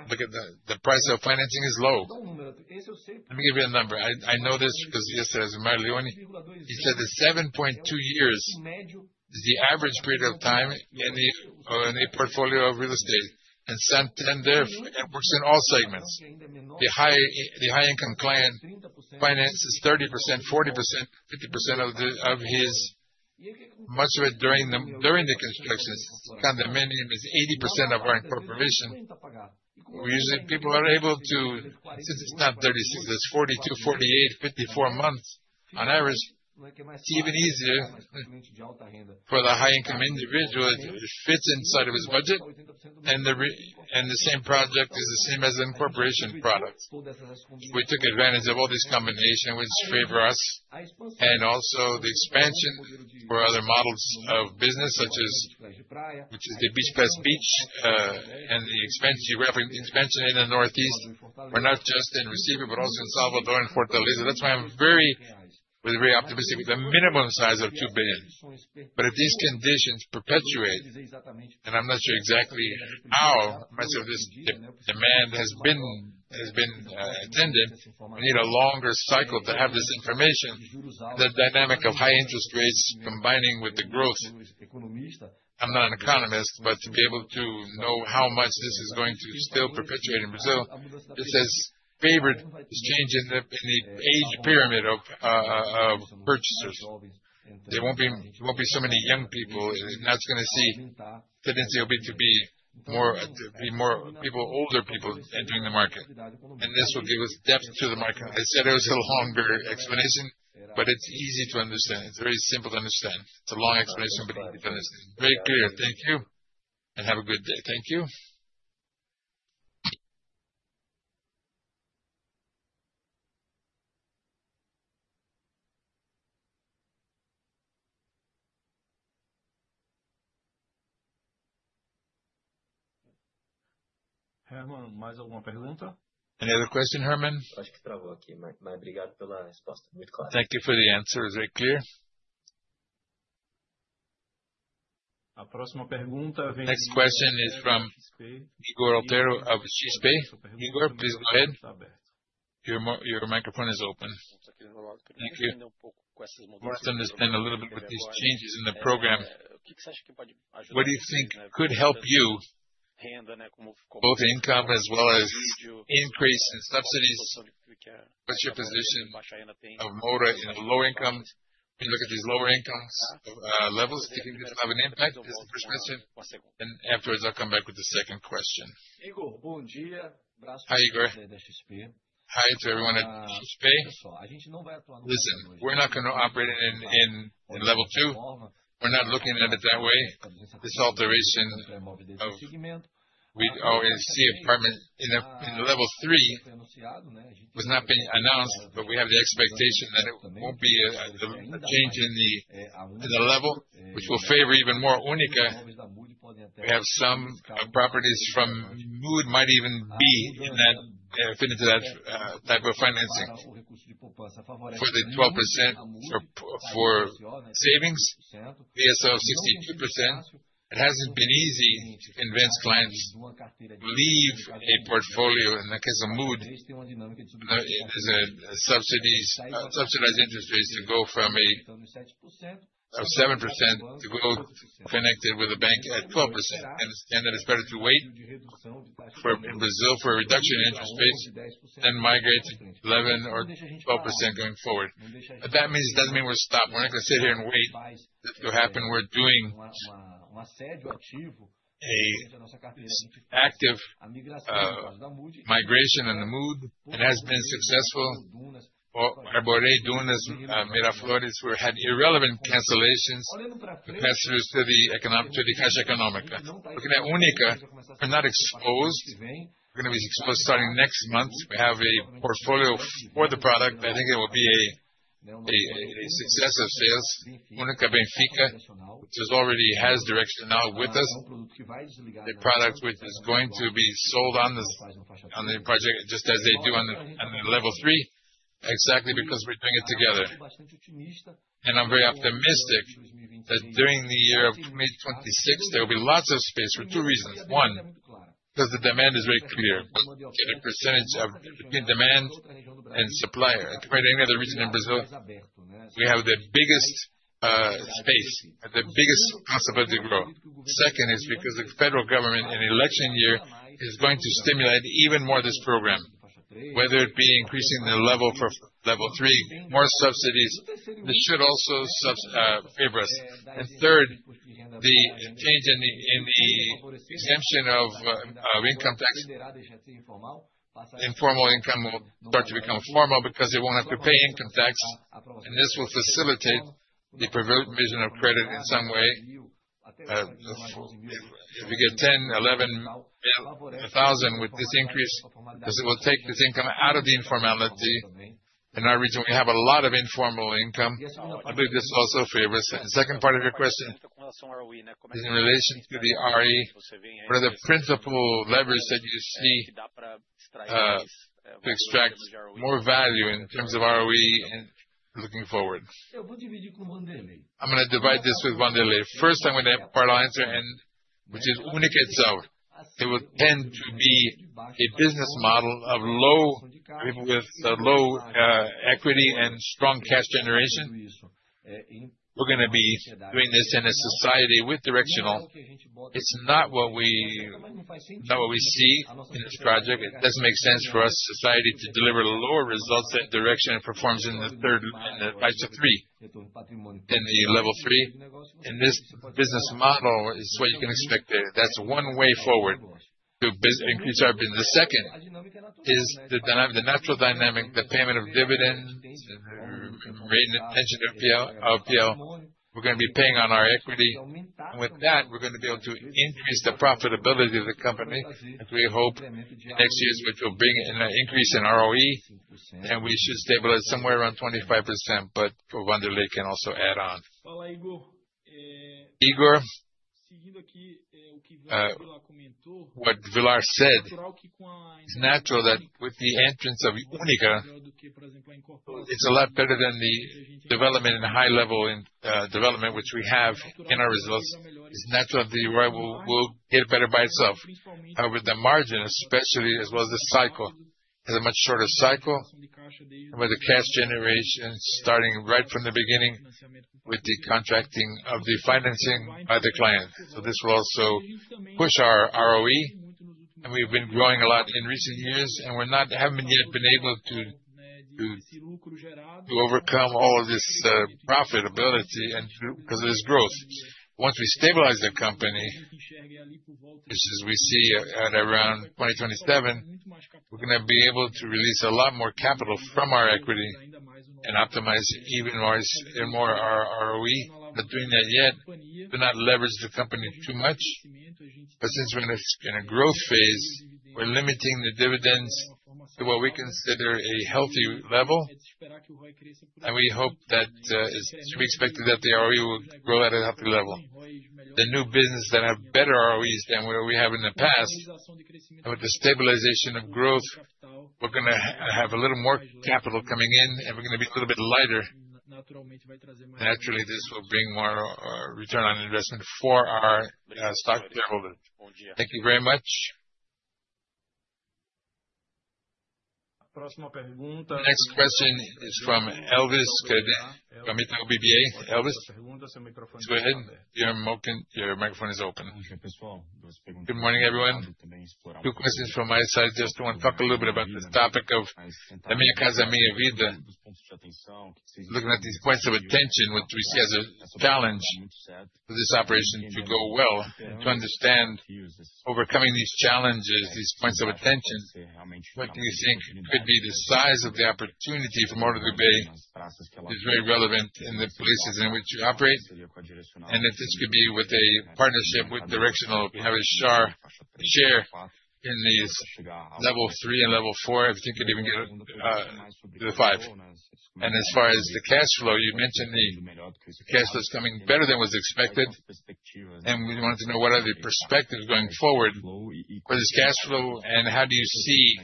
Look at the price of financing is low. Let me give you a number. I know this because yesterday as Mario Leão, he said that seven point two years is the average period of time in a portfolio of real estate. Santander works in all segments. The high-income client finances 30%, 40%, 50% of his much of it during the constructions. Condominium is 80% of our incorporation. People are able to, since it's not 36, it's 42, 48, 54 months on average. It's even easier for the high-income individual. It fits inside of his budget and the same project is the same as the incorporation product. We took advantage of all this combination which favor us and also the expansion for other models of business such as, which is the Beach Class beach, and the expansion. We have an expansion in the Northeast. We're not just in Recife, but also in Salvador and Fortaleza. That's why we're very optimistic with a minimum size of 2 billion. If these conditions perpetuate, and I'm not sure exactly how much of this demand has been attended, we need a longer cycle to have this information. The dynamic of high interest rates combining with the growth. I'm not an economist, but to be able to know how much this is going to still perpetuate in Brazil. This has favored this change in the age pyramid of purchasers. There won't be so many young people. That's the tendency will be to be more people, older people entering the market. This will give us depth to the market. I said it was a longer explanation, but it's easy to understand. It's very simple to understand. It's a long explanation, but you can understand. Very clear. Thank you. Have a good day. Thank you. Herman, Any other question, Herman? Thank you for the answer. It was very clear. Next question is from Ygor Altero of XP. Ygor, please go ahead. Your microphone is open. Thank you. Let's understand a little bit with these changes in the program. What do you think could help you, both income as well as increase in subsidies? What's your position of Mood in the lower income? When you look at these lower incomes, levels, do you think it's have an impact? This is perspective. Afterwards, I'll come back with the second question. Hi, Igor. Hi to everyone at XP. Listen, we're not gonna operate in level two. We're not looking at it that way. This alteration. We always see apartments in level three was not being announced, but we have the expectation that it won't be a change in the level which will favor even more Única. We have some properties from Mood might even be in that fit into that type of financing. For the 12% for savings, SELIC 62%, it hasn't been easy to convince clients to leave a portfolio, in that case of Mood is a subsidy, subsidized interest rates to go from a 7% to go connected with a bank at 12%. That it's better to wait for, in Brazil, for a reduction in interest rates than migrate 11% or 12% going forward. That doesn't mean we're stopped. We're not gonna sit here and wait for that to happen. We're doing an active migration on the Mood. It has been successful. For Arborê, Miraflor, we've had irrelevant cancellations with transfers to the Caixa Econômica. Looking at Única, we're not exposed. We're gonna be exposed starting next month. We have a portfolio for the product. I think it will be a success of sales. Unica Benfica, which already has Direcional with us, a product which is going to be sold on this, on the project just as they do on the level three, exactly because we're doing it together. I'm very optimistic that during the year of 2026, there will be lots of space for two reasons. One, because the demand is very clear. In a percentage of between demand and supply, compared to any other region in Brazil, we have the biggest space, the biggest possibility to grow. Second is because the federal government in election year is going to stimulate even more this program, whether it be increasing the level for level three, more subsidies. It should also favor us. Third, the change in the exemption of income tax, informal income will start to become formal because they won't have to pay income tax, and this will facilitate the provision of credit in some way. If you get 10, 11, 1,000 with this increase, because it will take this income out of the informality. In our region, we have a lot of informal income. I believe this also favors. Second part of your question is in relation to the RE. What are the principal levers that you see to extract more value in terms of ROE and looking forward? I'm gonna divide this with Vanderlei. First, I'm gonna have part answer and which is Única itself. It will tend to be a business model of low, with low equity and strong cash generation. We're gonna be doing this in a joint venture with Direcional. It's not what we see in this project. It doesn't make sense for our joint venture to deliver lower results than Direcional performs in. This business model is what you can expect there. That's one way forward to increase our business. The second is the natural dynamic, the payment of dividends, and we're paying attention to RPL. We're gonna be paying on our equity. With that, we're gonna be able to increase the profitability of the company, as we hope next year which will bring in an increase in ROE, and we should stabilize somewhere around 25%, but Wanderley can also add on. Ygor. What Villar said, it's natural that with the entrance of Única, it's a lot better than the development in the high level in development which we have in our results. It's natural that the ROI will get better by itself. However, the margin, especially as well as the cycle, has a much shorter cycle, and with the cash generation starting right from the beginning with the contracting of the financing by the client. This will also push our ROE, and we've been growing a lot in recent years, and we haven't yet been able to overcome all of this profitability and growth because of this growth. Once we stabilize the company, which as we see at around 2027, we're gonna be able to release a lot more capital from our equity and optimize even more our ROE. We're not doing that yet to not leverage the company too much. Since we're in a growth phase, we're limiting the dividends to what we consider a healthy level. We hope that, as we expected, that the ROE will grow at a healthy level. The new business that have better ROEs than what we have in the past, and with the stabilization of growth, we're gonna have a little more capital coming in, and we're gonna be a little bit lighter. Naturally, this will bring more return on investment for our stock shareholder. Thank you very much. Next question is from Elvis Credendio, Itaú BBA. Elvis, go ahead. Your microphone is open. Good morning, everyone. Two questions from my side. Just wanna talk a little bit about this topic of Minha Casa, Minha Vida. Looking at these points of attention, which we see as a challenge for this operation to go well, to understand overcoming these challenges, these points of attention, what do you think could be the size of the opportunity for Itaú BBA is very relevant in the places in which you operate? If this could be with a partnership with Direcional, have a share in these level three and level four, if you could even get to the five. As far as the cash flow, you mentioned the cash flow is coming better than was expected, and we wanted to know what are the perspectives going forward for this cash flow and how do you see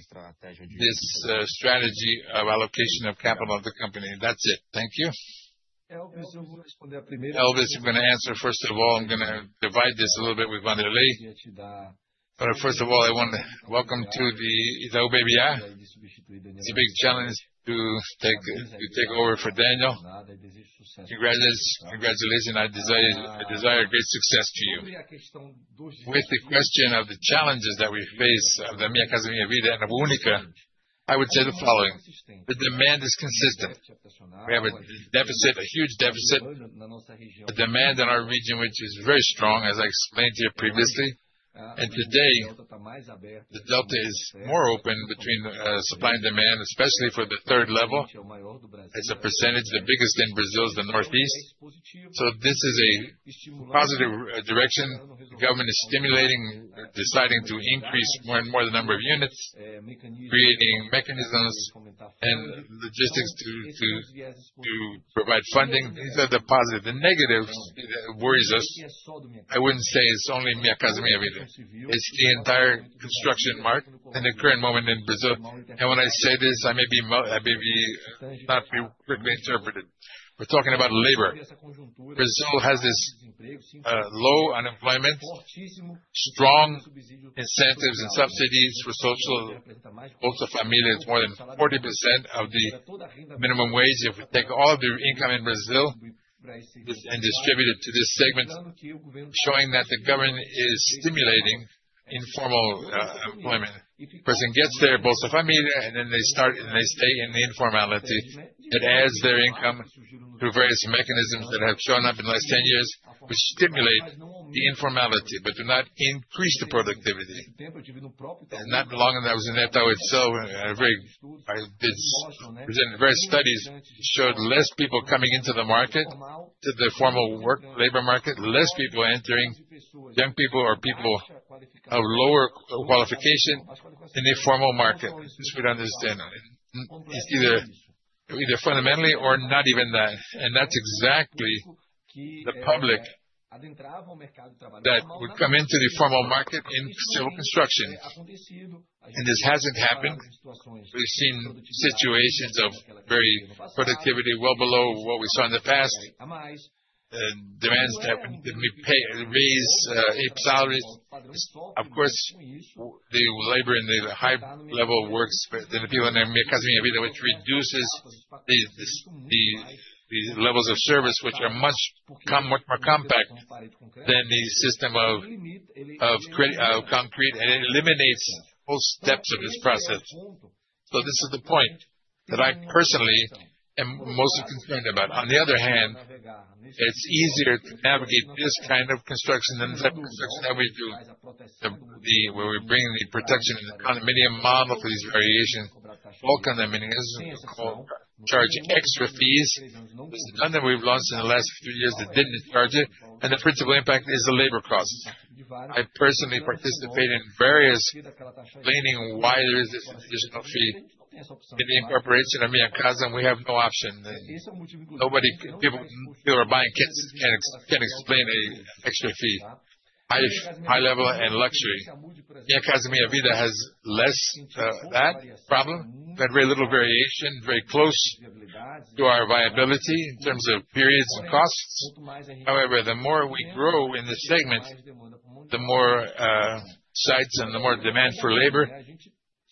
this strategy of allocation of capital of the company. That's it. Thank you. Elvis, I'm gonna answer first of all. I'm gonna divide this a little bit with Wanderley. First of all, I wanna welcome to the Itaú BBA. It's a big challenge to take over for Daniel. Congratulations. I desire great success to you. With the question of the challenges that we face of the Minha Casa, Minha Vida and of Única, I would say the following. The demand is consistent. We have a deficit, a huge deficit, a demand in our region which is very strong, as I explained to you previously. Today, the delta is more open between supply and demand, especially for the third level. As a percentage, the biggest in Brazil is the Nordeste. This is a positive direction. The government is stimulating, deciding to increase more and more the number of units, creating mechanisms and logistics to provide funding. These are the positive. The negatives worries us. I wouldn't say it's only Minha Casa, Minha Vida. It's the entire construction market in the current moment in Brazil. When I say this, I may not be correctly interpreted. We're talking about labor. Brazil has this low unemployment, strong incentives and subsidies for social Bolsa Família. It's more than 40% of the minimum wage. If you take all of your income in Brazil and distribute it to this segment, showing that the government is stimulating informal employment. Person gets their Bolsa Família, and then they start, and they stay in the informality. It adds their income through various mechanisms that have shown up in the last 10 years, which stimulate the informality, but do not increase the productivity. Not long ago, I was in Itaú itself. Presenting various studies showed fewer people coming into the market to the formal work labor market, fewer people entering, young people or people of lower qualification in the formal market. We should understand that. It's either fundamentally or not even that. That's exactly the public that would come into the formal market in civil construction. This hasn't happened. We've seen situations of very low productivity well below what we saw in the past. Demands to raise salaries. Of course, the labor in the high-level works for the people in Minha Casa, Minha Vida, which reduces these levels of service, which are much more compact than the system of concrete, and it eliminates whole steps of this process. This is the point that I personally am most concerned about. On the other hand, it's easier to navigate this kind of construction than the type of construction that we do. Where we bring the protection and the condominium model for these variations, focus on them, meaning it doesn't call for charging extra fees. None that we've launched in the last few years that didn't charge it. The principal impact is the labor cost. I personally participate in various planning why there is this additional fee. In the incorporation of Minha Casa, Minha Vida, we have no option. People who are buying can't afford an extra fee. High level and luxury. Yeah, Minha Casa, Minha Vida has less of that problem, but very little variation, very close to our viability in terms of periods and costs. However, the more we grow in this segment, the more sites and the more demand for labor. We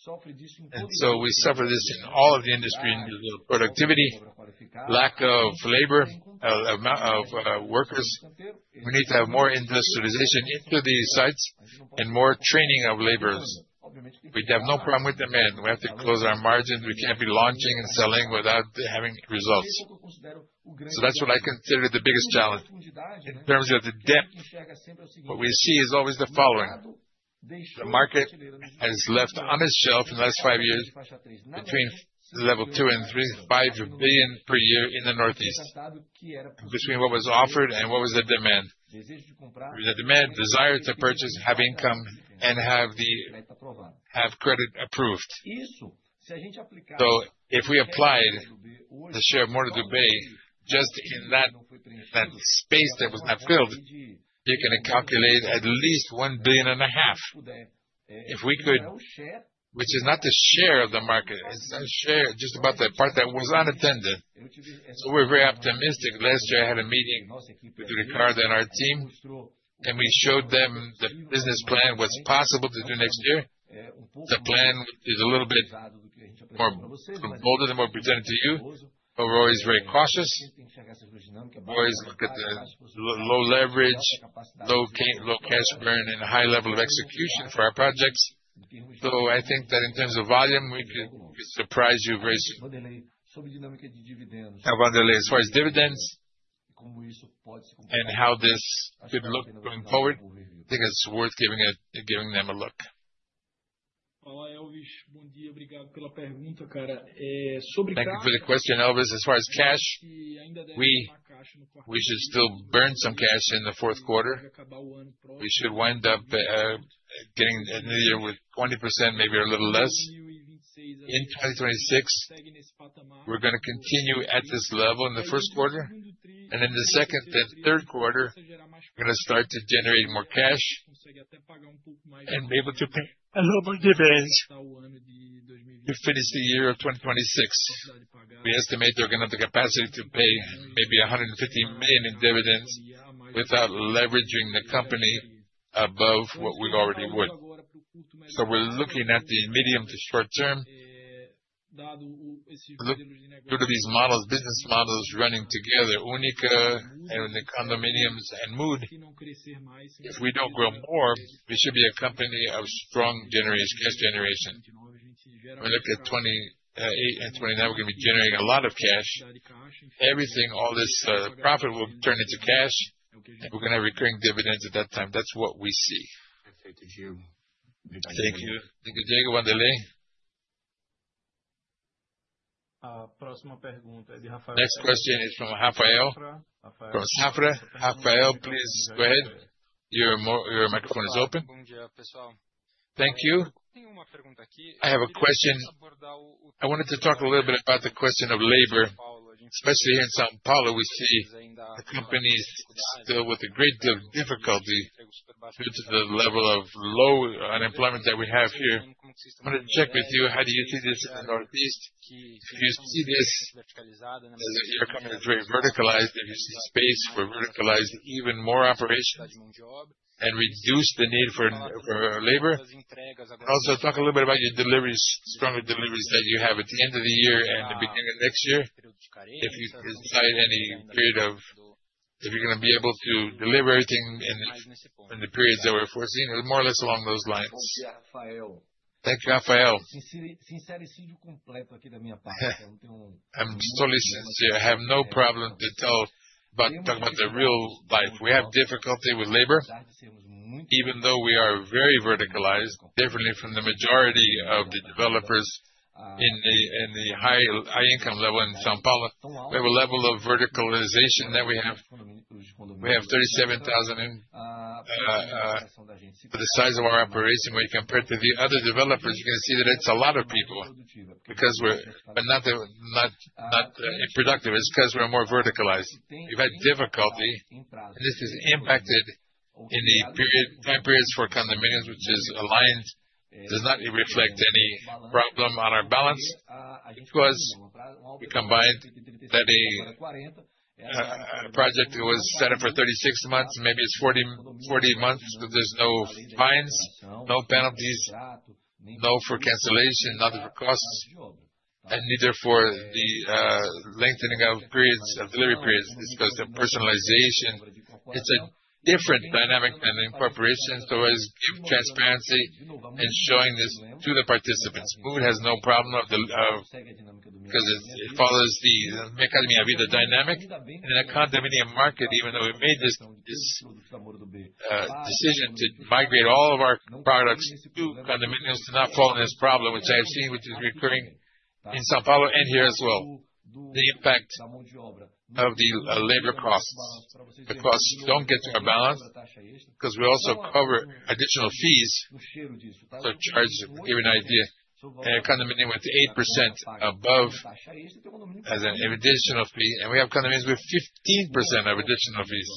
suffer this in all of the industry in terms of productivity, lack of labor, amount of workers. We need to have more industrialization into these sites and more training of laborers. We'd have no problem with demand. We have to close our margins. We can't be launching and selling without having results. That's what I consider the biggest challenge. In terms of the depth, what we see is always the following. The market has left on its shelf in the last five years, between level 2 and 3, 5 billion per year in the Northeast, between what was offered and what was the demand. The demand, desire to purchase, have income, and have credit approved. If we applied the share of Moura Dubeux just in that space that was not filled, you can calculate at least 1.5 billion. Which is not the share of the market, it's not a share, just about the part that was unattended. We're very optimistic. Last year, I had a meeting with Ricardo and our team, and we showed them the business plan, what's possible to do next year. The plan is a little bit more bolder than what we presented to you, but we're always very cautious. We always look at the low leverage, low cash burn, and a high level of execution for our projects. I think that in terms of volume, we could surprise you very soon. Now, Wanderley, as far as dividends and how this could look going forward, I think it's worth giving them a look. Thank you for the question, Elvis. As far as cash, we should still burn some cash in the fourth quarter. We should wind up getting near with 20%, maybe a little less. In 2026, we're gonna continue at this level in the first quarter, and in the second and third quarter, we're gonna start to generate more cash and be able to pay a little more dividends to finish the year of 2026. We estimate they're gonna have the capacity to pay maybe 150 million in dividends without leveraging the company above what we already would. We're looking at the medium to short term. Look, due to these models, business models running together, Única and the condominiums and Mood, if we don't grow more, we should be a company of strong generation, cash generation. When we look at 2028 and 2029, we're gonna be generating a lot of cash. Everything, all this, profit will turn into cash, and we're gonna have recurring dividends at that time. That's what we Wee. Thank you. Thank you, Diego. Wanderley. Next question is from Rafael. From Safra. Rafael, please go ahead. Your microphone is open. Thank you. I have a question. I wanted to talk a little bit about the question of labor, especially here in São Paulo, we see the companies still with a great deal of difficulty due to the low level of unemployment that we have here. I wanted to check with you, how do you see this in the Northeast? Do you see this as your company is very verticalized, do you see space for verticalizing even more operations and reduce the need for labor? Also, talk a little bit about your deliveries, stronger deliveries that you have at the end of the year and the beginning of next year. If you're gonna be able to deliver everything in the periods that were foreseen or more or less along those lines. Thank you, Rafael. I'm totally sincere. I have no problem to tell but talk about the real life. We have difficulty with labor, even though we are very verticalized, differently from the majority of the developers in the high-income level in São Paulo. We have a level of verticalization that we have. We have 37,000 in for the size of our operation, when you compare it to the other developers, you're gonna see that it's a lot of people because we're more verticalized. Not unproductive. It's because we're more verticalized. We've had difficulty, and this has impacted in the period, time periods for condominiums, which is aligned, does not reflect any problem on our balance because we combined that a project that was set up for 36 months, maybe it's 40 months, there's no fines, no penalties, no for cancellation, not for costs, and neither for the lengthening of periods, of delivery periods. It's because the personalization, it's a different dynamic than in corporations, so it's transparency and showing this to the participants. Mood has no problem of the because it follows the Minha Casa, Minha Vida dynamic. In a condominium market, even though we made this decision to migrate all of our products to condominiums to not fall in this problem, which I've seen, which is recurring in São Paulo and here as well, the impact of the labor costs. The costs don't get to our balance because we also cover additional fees. To try to give you an idea, a condominium with 8% above, as an additional fee, and we have condominiums with 15% of additional fees.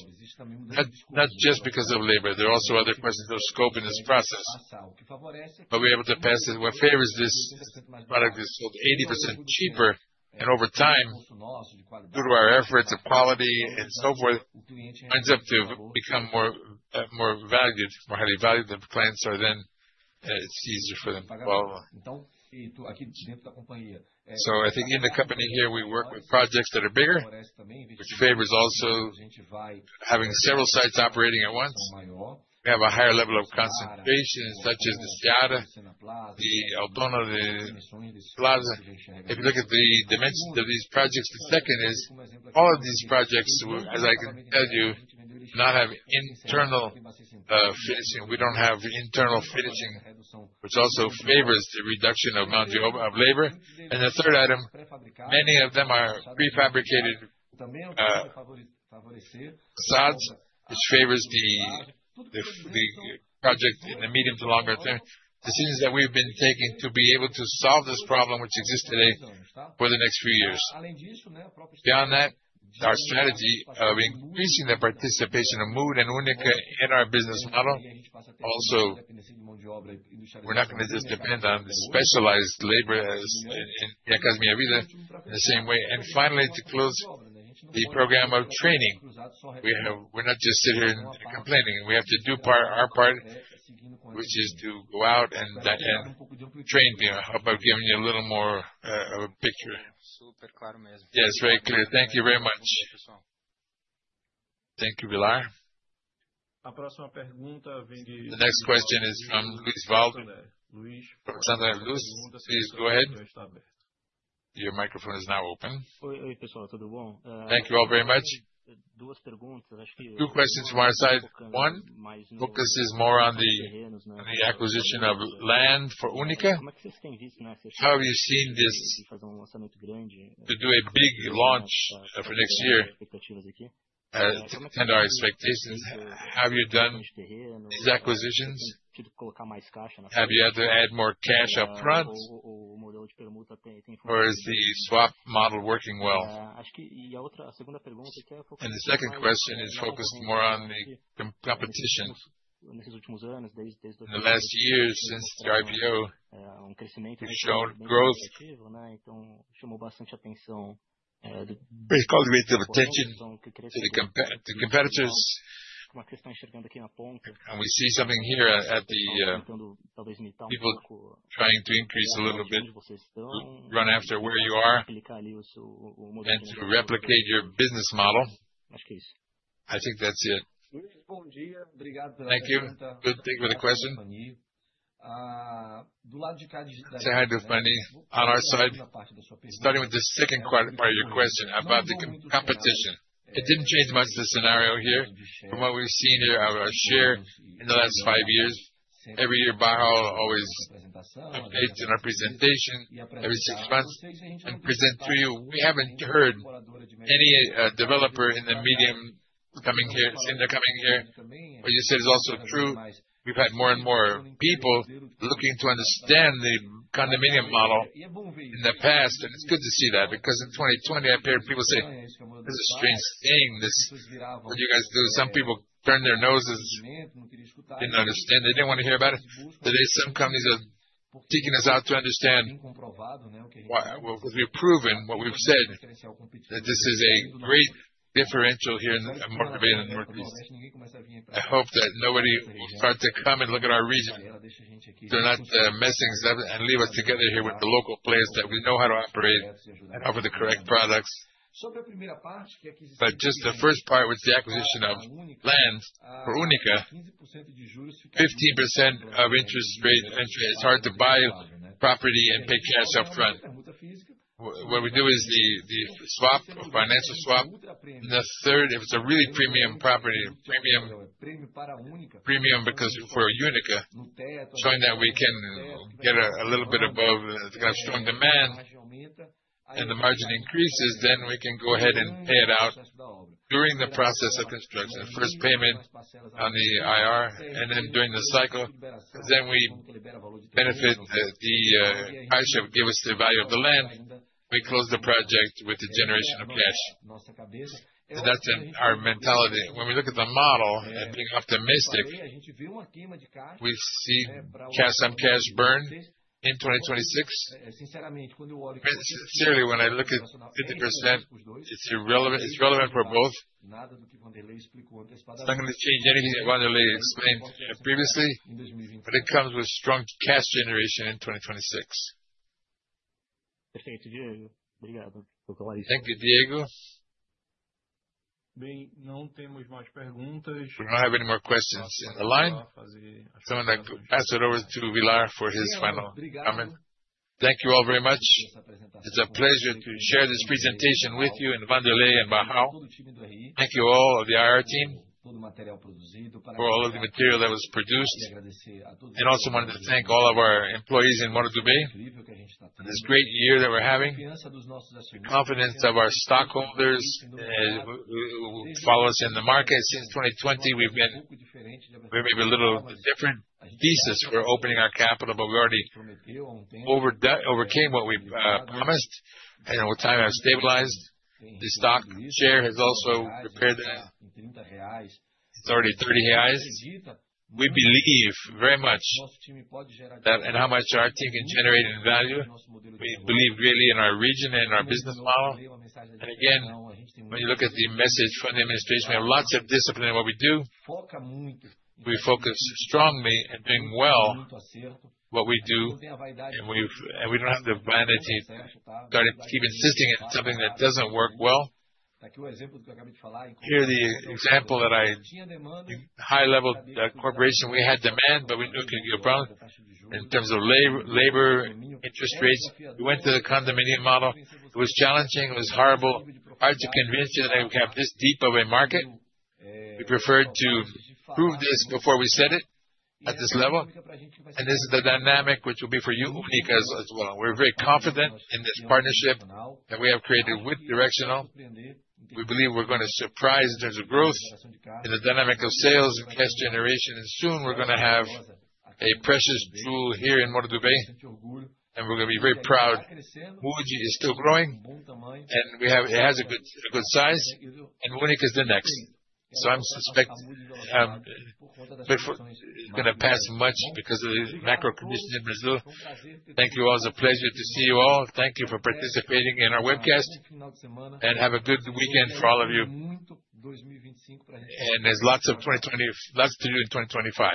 Not just because of labor, there are also other parts of the scope in this process. We're able to pass it. What favors this product is sold 80% cheaper. Over time, due to our efforts of quality and so forth, ends up to become more, more valued, more highly valued than the clients are then, it's easier for them to follow. I think in the company here, we work with projects that are bigger, which favors also having several sites operating at once. We have a higher level of concentration, such as the Siada, the Autono, The Plaza. If you look at the dimension of these projects, the second is all of these projects, as I can tell you, not have internal finishing. We don't have internal finishing, which also favors the reduction of amount of labor. The third item, many of them are prefabricated facades, which favors the project in the medium to longer term. Decisions that we've been taking to be able to solve this problem which exists today for the next few years. Beyond that, our strategy of increasing the participation of Mood and Única in our business model, also, we're not gonna just depend on the specialized labor as in Minha Casa, Minha Vida in the same way. Finally, to close the program of training. We're not just sitting and complaining. We have to do our part, which is to go out and train people. How about giving you a little more of a picture? Yes, very clear. Thank you very much. Thank you, Villar. The next question is from [Luiz Wald] from Santander. Please go ahead. Your microphone is now open. Thank you all very much. Two questions from our side. One focuses more on the acquisition of land for Única. How are you seeing this to do a big launch, for next year, and our expectations? Have you done these acquisitions? Have you had to add more cash up front or is the swap model working well? The second question is focused more on the competition. In the last years since the IPO, we've shown growth. It's calling our attention to the competitors. We see something here, people trying to increase a little bit, run after where you are and to replicate your business model. I think that's it. Thank you. Good question. To add with, on our side, starting with the second part of your question about the competition. It didn't change much the scenario here. From what we've seen here, our share in the last five years, every year, Barral always updates in our presentation every six months and present to you. We haven't heard any developer in the meantime coming here in the coming year. What you said is also true. We've had more and more people looking to understand the condominium model in the past. It's good to see that because in 2020 I heard people say, "This is strange seeing this, what you guys do." Some people turn their noses. They didn't understand. They didn't want to hear about it. Today, some companies are seeking us out to understand why what we've proven, what we've said, that this is a great differential here in [via Northeast]. I hope that nobody will start to come and look at our region. They're not messing us up and leave us together here with the local players that we know how to operate and offer the correct products. Just the first part was the acquisition of land for Única. 15% interest rate, it's hard to buy property and pay cash up front. What we do is the swap, financial swap. That's third. If it's a really premium property, premium because for Única, showing that we can get a little bit above, it's got strong demand and the margin increases, then we can go ahead and pay it out during the process of construction. First payment on the IR and then during the cycle, then we benefit the partial give us the value of the land. We close the project with the generation of cash. That's in our mentality. When we look at the model and being optimistic, we see cash and cash burn in 2026. Sincerely, when I look at 50%, it's irrelevant. It's relevant for both. It's not gonna change anything Wanderley explained previously, but it comes with strong cash generation in 2026. Thank you, Diego. We don't have any more questions in the line. I'm gonna pass it over to Villar for his final comment. Thank you all very much. It's a pleasure to share this presentation with you and Wanderley and Barroso. Thank you all of the IR team for all of the material that was produced and also wanted to thank all of our employees in Moura Dubeux. This great year that we're having, confidence of our stockholders, who follow us in the market. Since 2020, we've been maybe a little different thesis. We're opening our capital, but we already overcame what we promised. Over time, have stabilized. The stock share has also prepared us. It's already 30 reais. We believe very much that and how much our team can generate in value. We believe really in our region and our business model. Again, when you look at the message from the administration, we have lots of discipline in what we do. We focus strongly at doing well what we do. We don't have the vanity to start keep insisting at something that doesn't work well. Here are the example. High level corporation, we had demand, but we knew it could be a problem in terms of labor, interest rates. We went to the condominium model. It was challenging. It was horrible. Hard to convince you that we have this deep of a market. We preferred to prove this before we said it at this level. This is the dynamic which will be for you, Única, as well. We're very confident in this partnership that we have created with Direcional. We believe we're gonna surprise in terms of growth, in the dynamic of sales and cash generation. Soon we're gonna have a precious jewel here in Moura Dubeux, and we're gonna be very proud. [Mood] is still growing, and it has a good size, and Única is the next. I suspect before it's gonna pass much because of the macro conditions in Brazil. Thank you all. It's a pleasure to see you all. Thank you for participating in our webcast, and have a good weekend for all of you. There's lots to do in 2025.